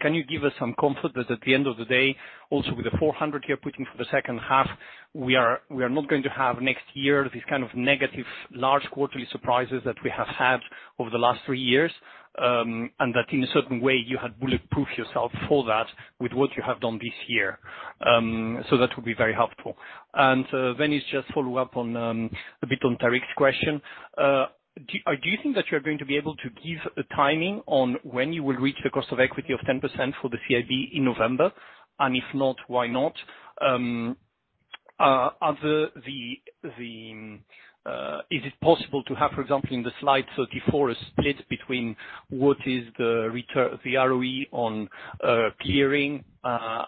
Can you give us some comfort that at the end of the day, also with the 400 million you're putting for the second half, we are not going to have next year this kind of negative large quarterly surprises that we have had over the last three years, and that in a certain way, you had bulletproof yourself for that with what you have done this year? That would be very helpful. It's just follow up on a bit on Tarik's question. Do you think that you're going to be able to give a timing on when you will reach the cost of equity of 10% for the CIB in November? If not, why not? Is it possible to have, for example, in the slide 34, a split between what is the ROE on P&L,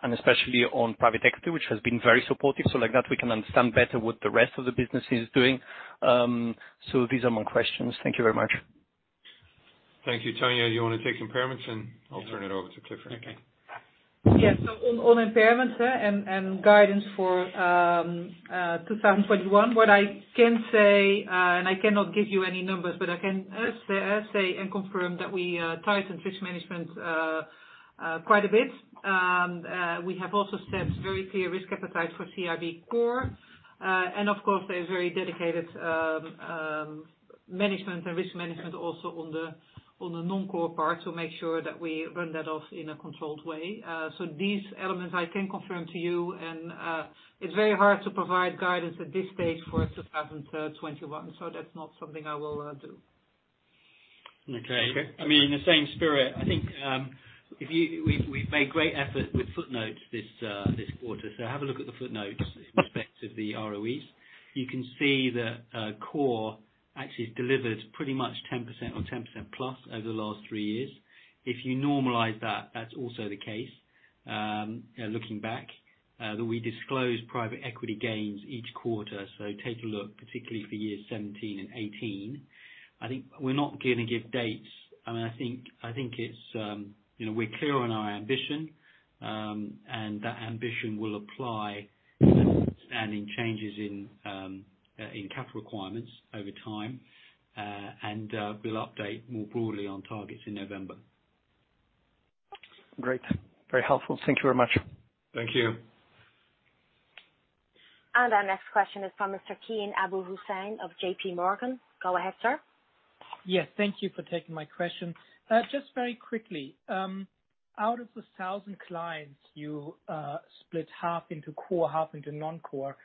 and especially on private equity, which has been very supportive. Like that, we can understand better what the rest of the business is doing. These are my questions. Thank you very much. Thank you. Tanja, do you want to take impairments and I'll turn it over to Clifford. Okay. Yes. On impairments and guidance for 2021, what I can say, and I cannot give you any numbers, but I can say and confirm that we tightened risk management quite a bit. We have also set very clear risk appetite for CIB Core. Of course, there's very dedicated management and risk management also on the non-core part to make sure that we run that off in a controlled way. These elements I can confirm to you, and it's very hard to provide guidance at this stage for 2021. That's not something I will do. Okay. I mean, in the same spirit, I think we've made great effort with footnotes this quarter. Have a look at the footnotes in respect of the ROEs. You can see that core actually has delivered pretty much 10% or 10%+ over the last three years. If you normalize that's also the case. Looking back, that we disclose private equity gains each quarter. Take a look, particularly for years 2017 and 2018. I think we're not going to give dates. We're clear on our ambition, and that ambition will apply understanding changes in capital requirements over time. We'll update more broadly on targets in November. Great. Very helpful. Thank you very much. Thank you. Our next question is from Mr. Kian Abouhossein of JPMorgan. Go ahead, sir. Yes. Thank you for taking my question. Just very quickly. Out of the 1,000 clients you split half into Core, half into Non-Core,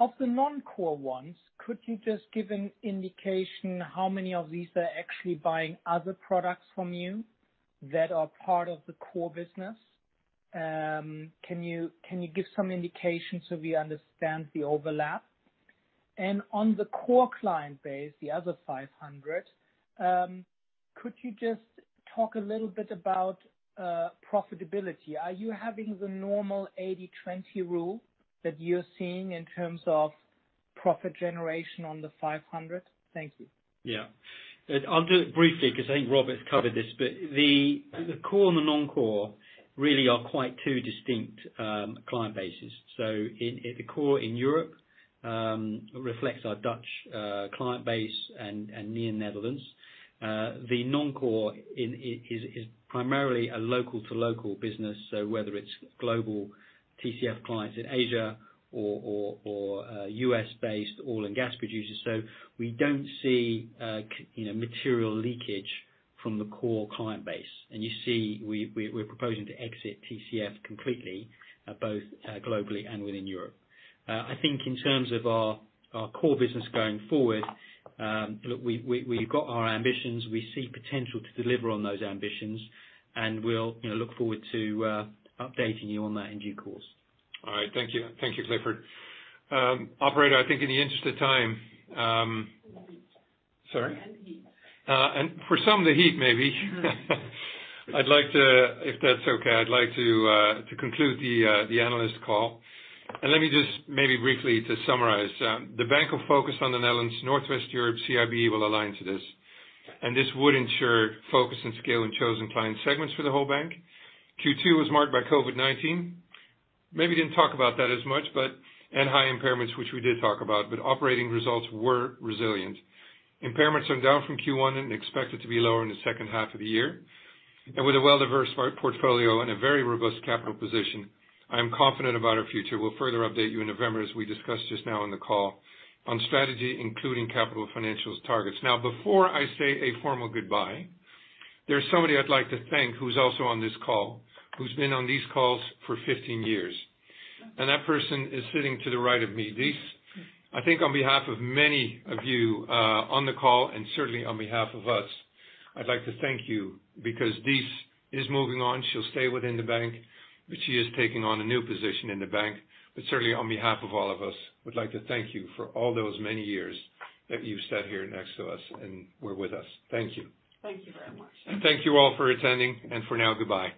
of the Non-Core ones, could you just give an indication how many of these are actually buying other products from you that are part of the Core business? Can you give some indication so we understand the overlap? On the Core client base, the other 500, could you just talk a little bit about profitability? Are you having the normal 80/20 rule that you're seeing in terms of profit generation on the 500? Thank you. Yeah. I'll do it briefly because I think Robert covered this, but the core and the non-core really are quite two distinct client bases. The core in Europe reflects our Dutch client base and NII Netherlands. The non-core is primarily a local-to-local business, so whether it's global TCF clients in Asia or U.S.-based oil and gas producers. We don't see material leakage from the core client base. You see, we're proposing to exit TCF completely, both globally and within Europe. I think in terms of our core business going forward, look, we've got our ambitions. We see potential to deliver on those ambitions, and we'll look forward to updating you on that in due course. All right. Thank you. Thank you, Clifford. Operator, I think in the interest of time- Heat. Sorry? Heat. For some, the heat maybe, if that's okay, I'd like to conclude the analyst call. Let me just maybe briefly to summarize. The bank will focus on the Netherlands, Northwest Europe CIB will align to this, and this would ensure focus and scale in chosen client segments for the whole bank. Q2 was marked by COVID-19. We maybe didn't talk about that as much, and high impairments, which we did talk about, but operating results were resilient. Impairments are down from Q1 and expected to be lower in the second half of the year. With a well-diversified portfolio and a very robust capital position, I am confident about our future. We'll further update you in November, as we discussed just now on the call, on strategy, including capital financials targets. Now, before I say a formal goodbye, there's somebody I'd like to thank who's also on this call, who's been on these calls for 15 years, and that person is sitting to the right of me. Dies, I think on behalf of many of you on the call, and certainly on behalf of us, I'd like to thank you because Dies is moving on. She'll stay within the bank, but she is taking on a new position in the bank. Certainly on behalf of all of us, would like to thank you for all those many years that you've sat here next to us and were with us. Thank you. Thank you very much. Thank you all for attending, and for now, goodbye.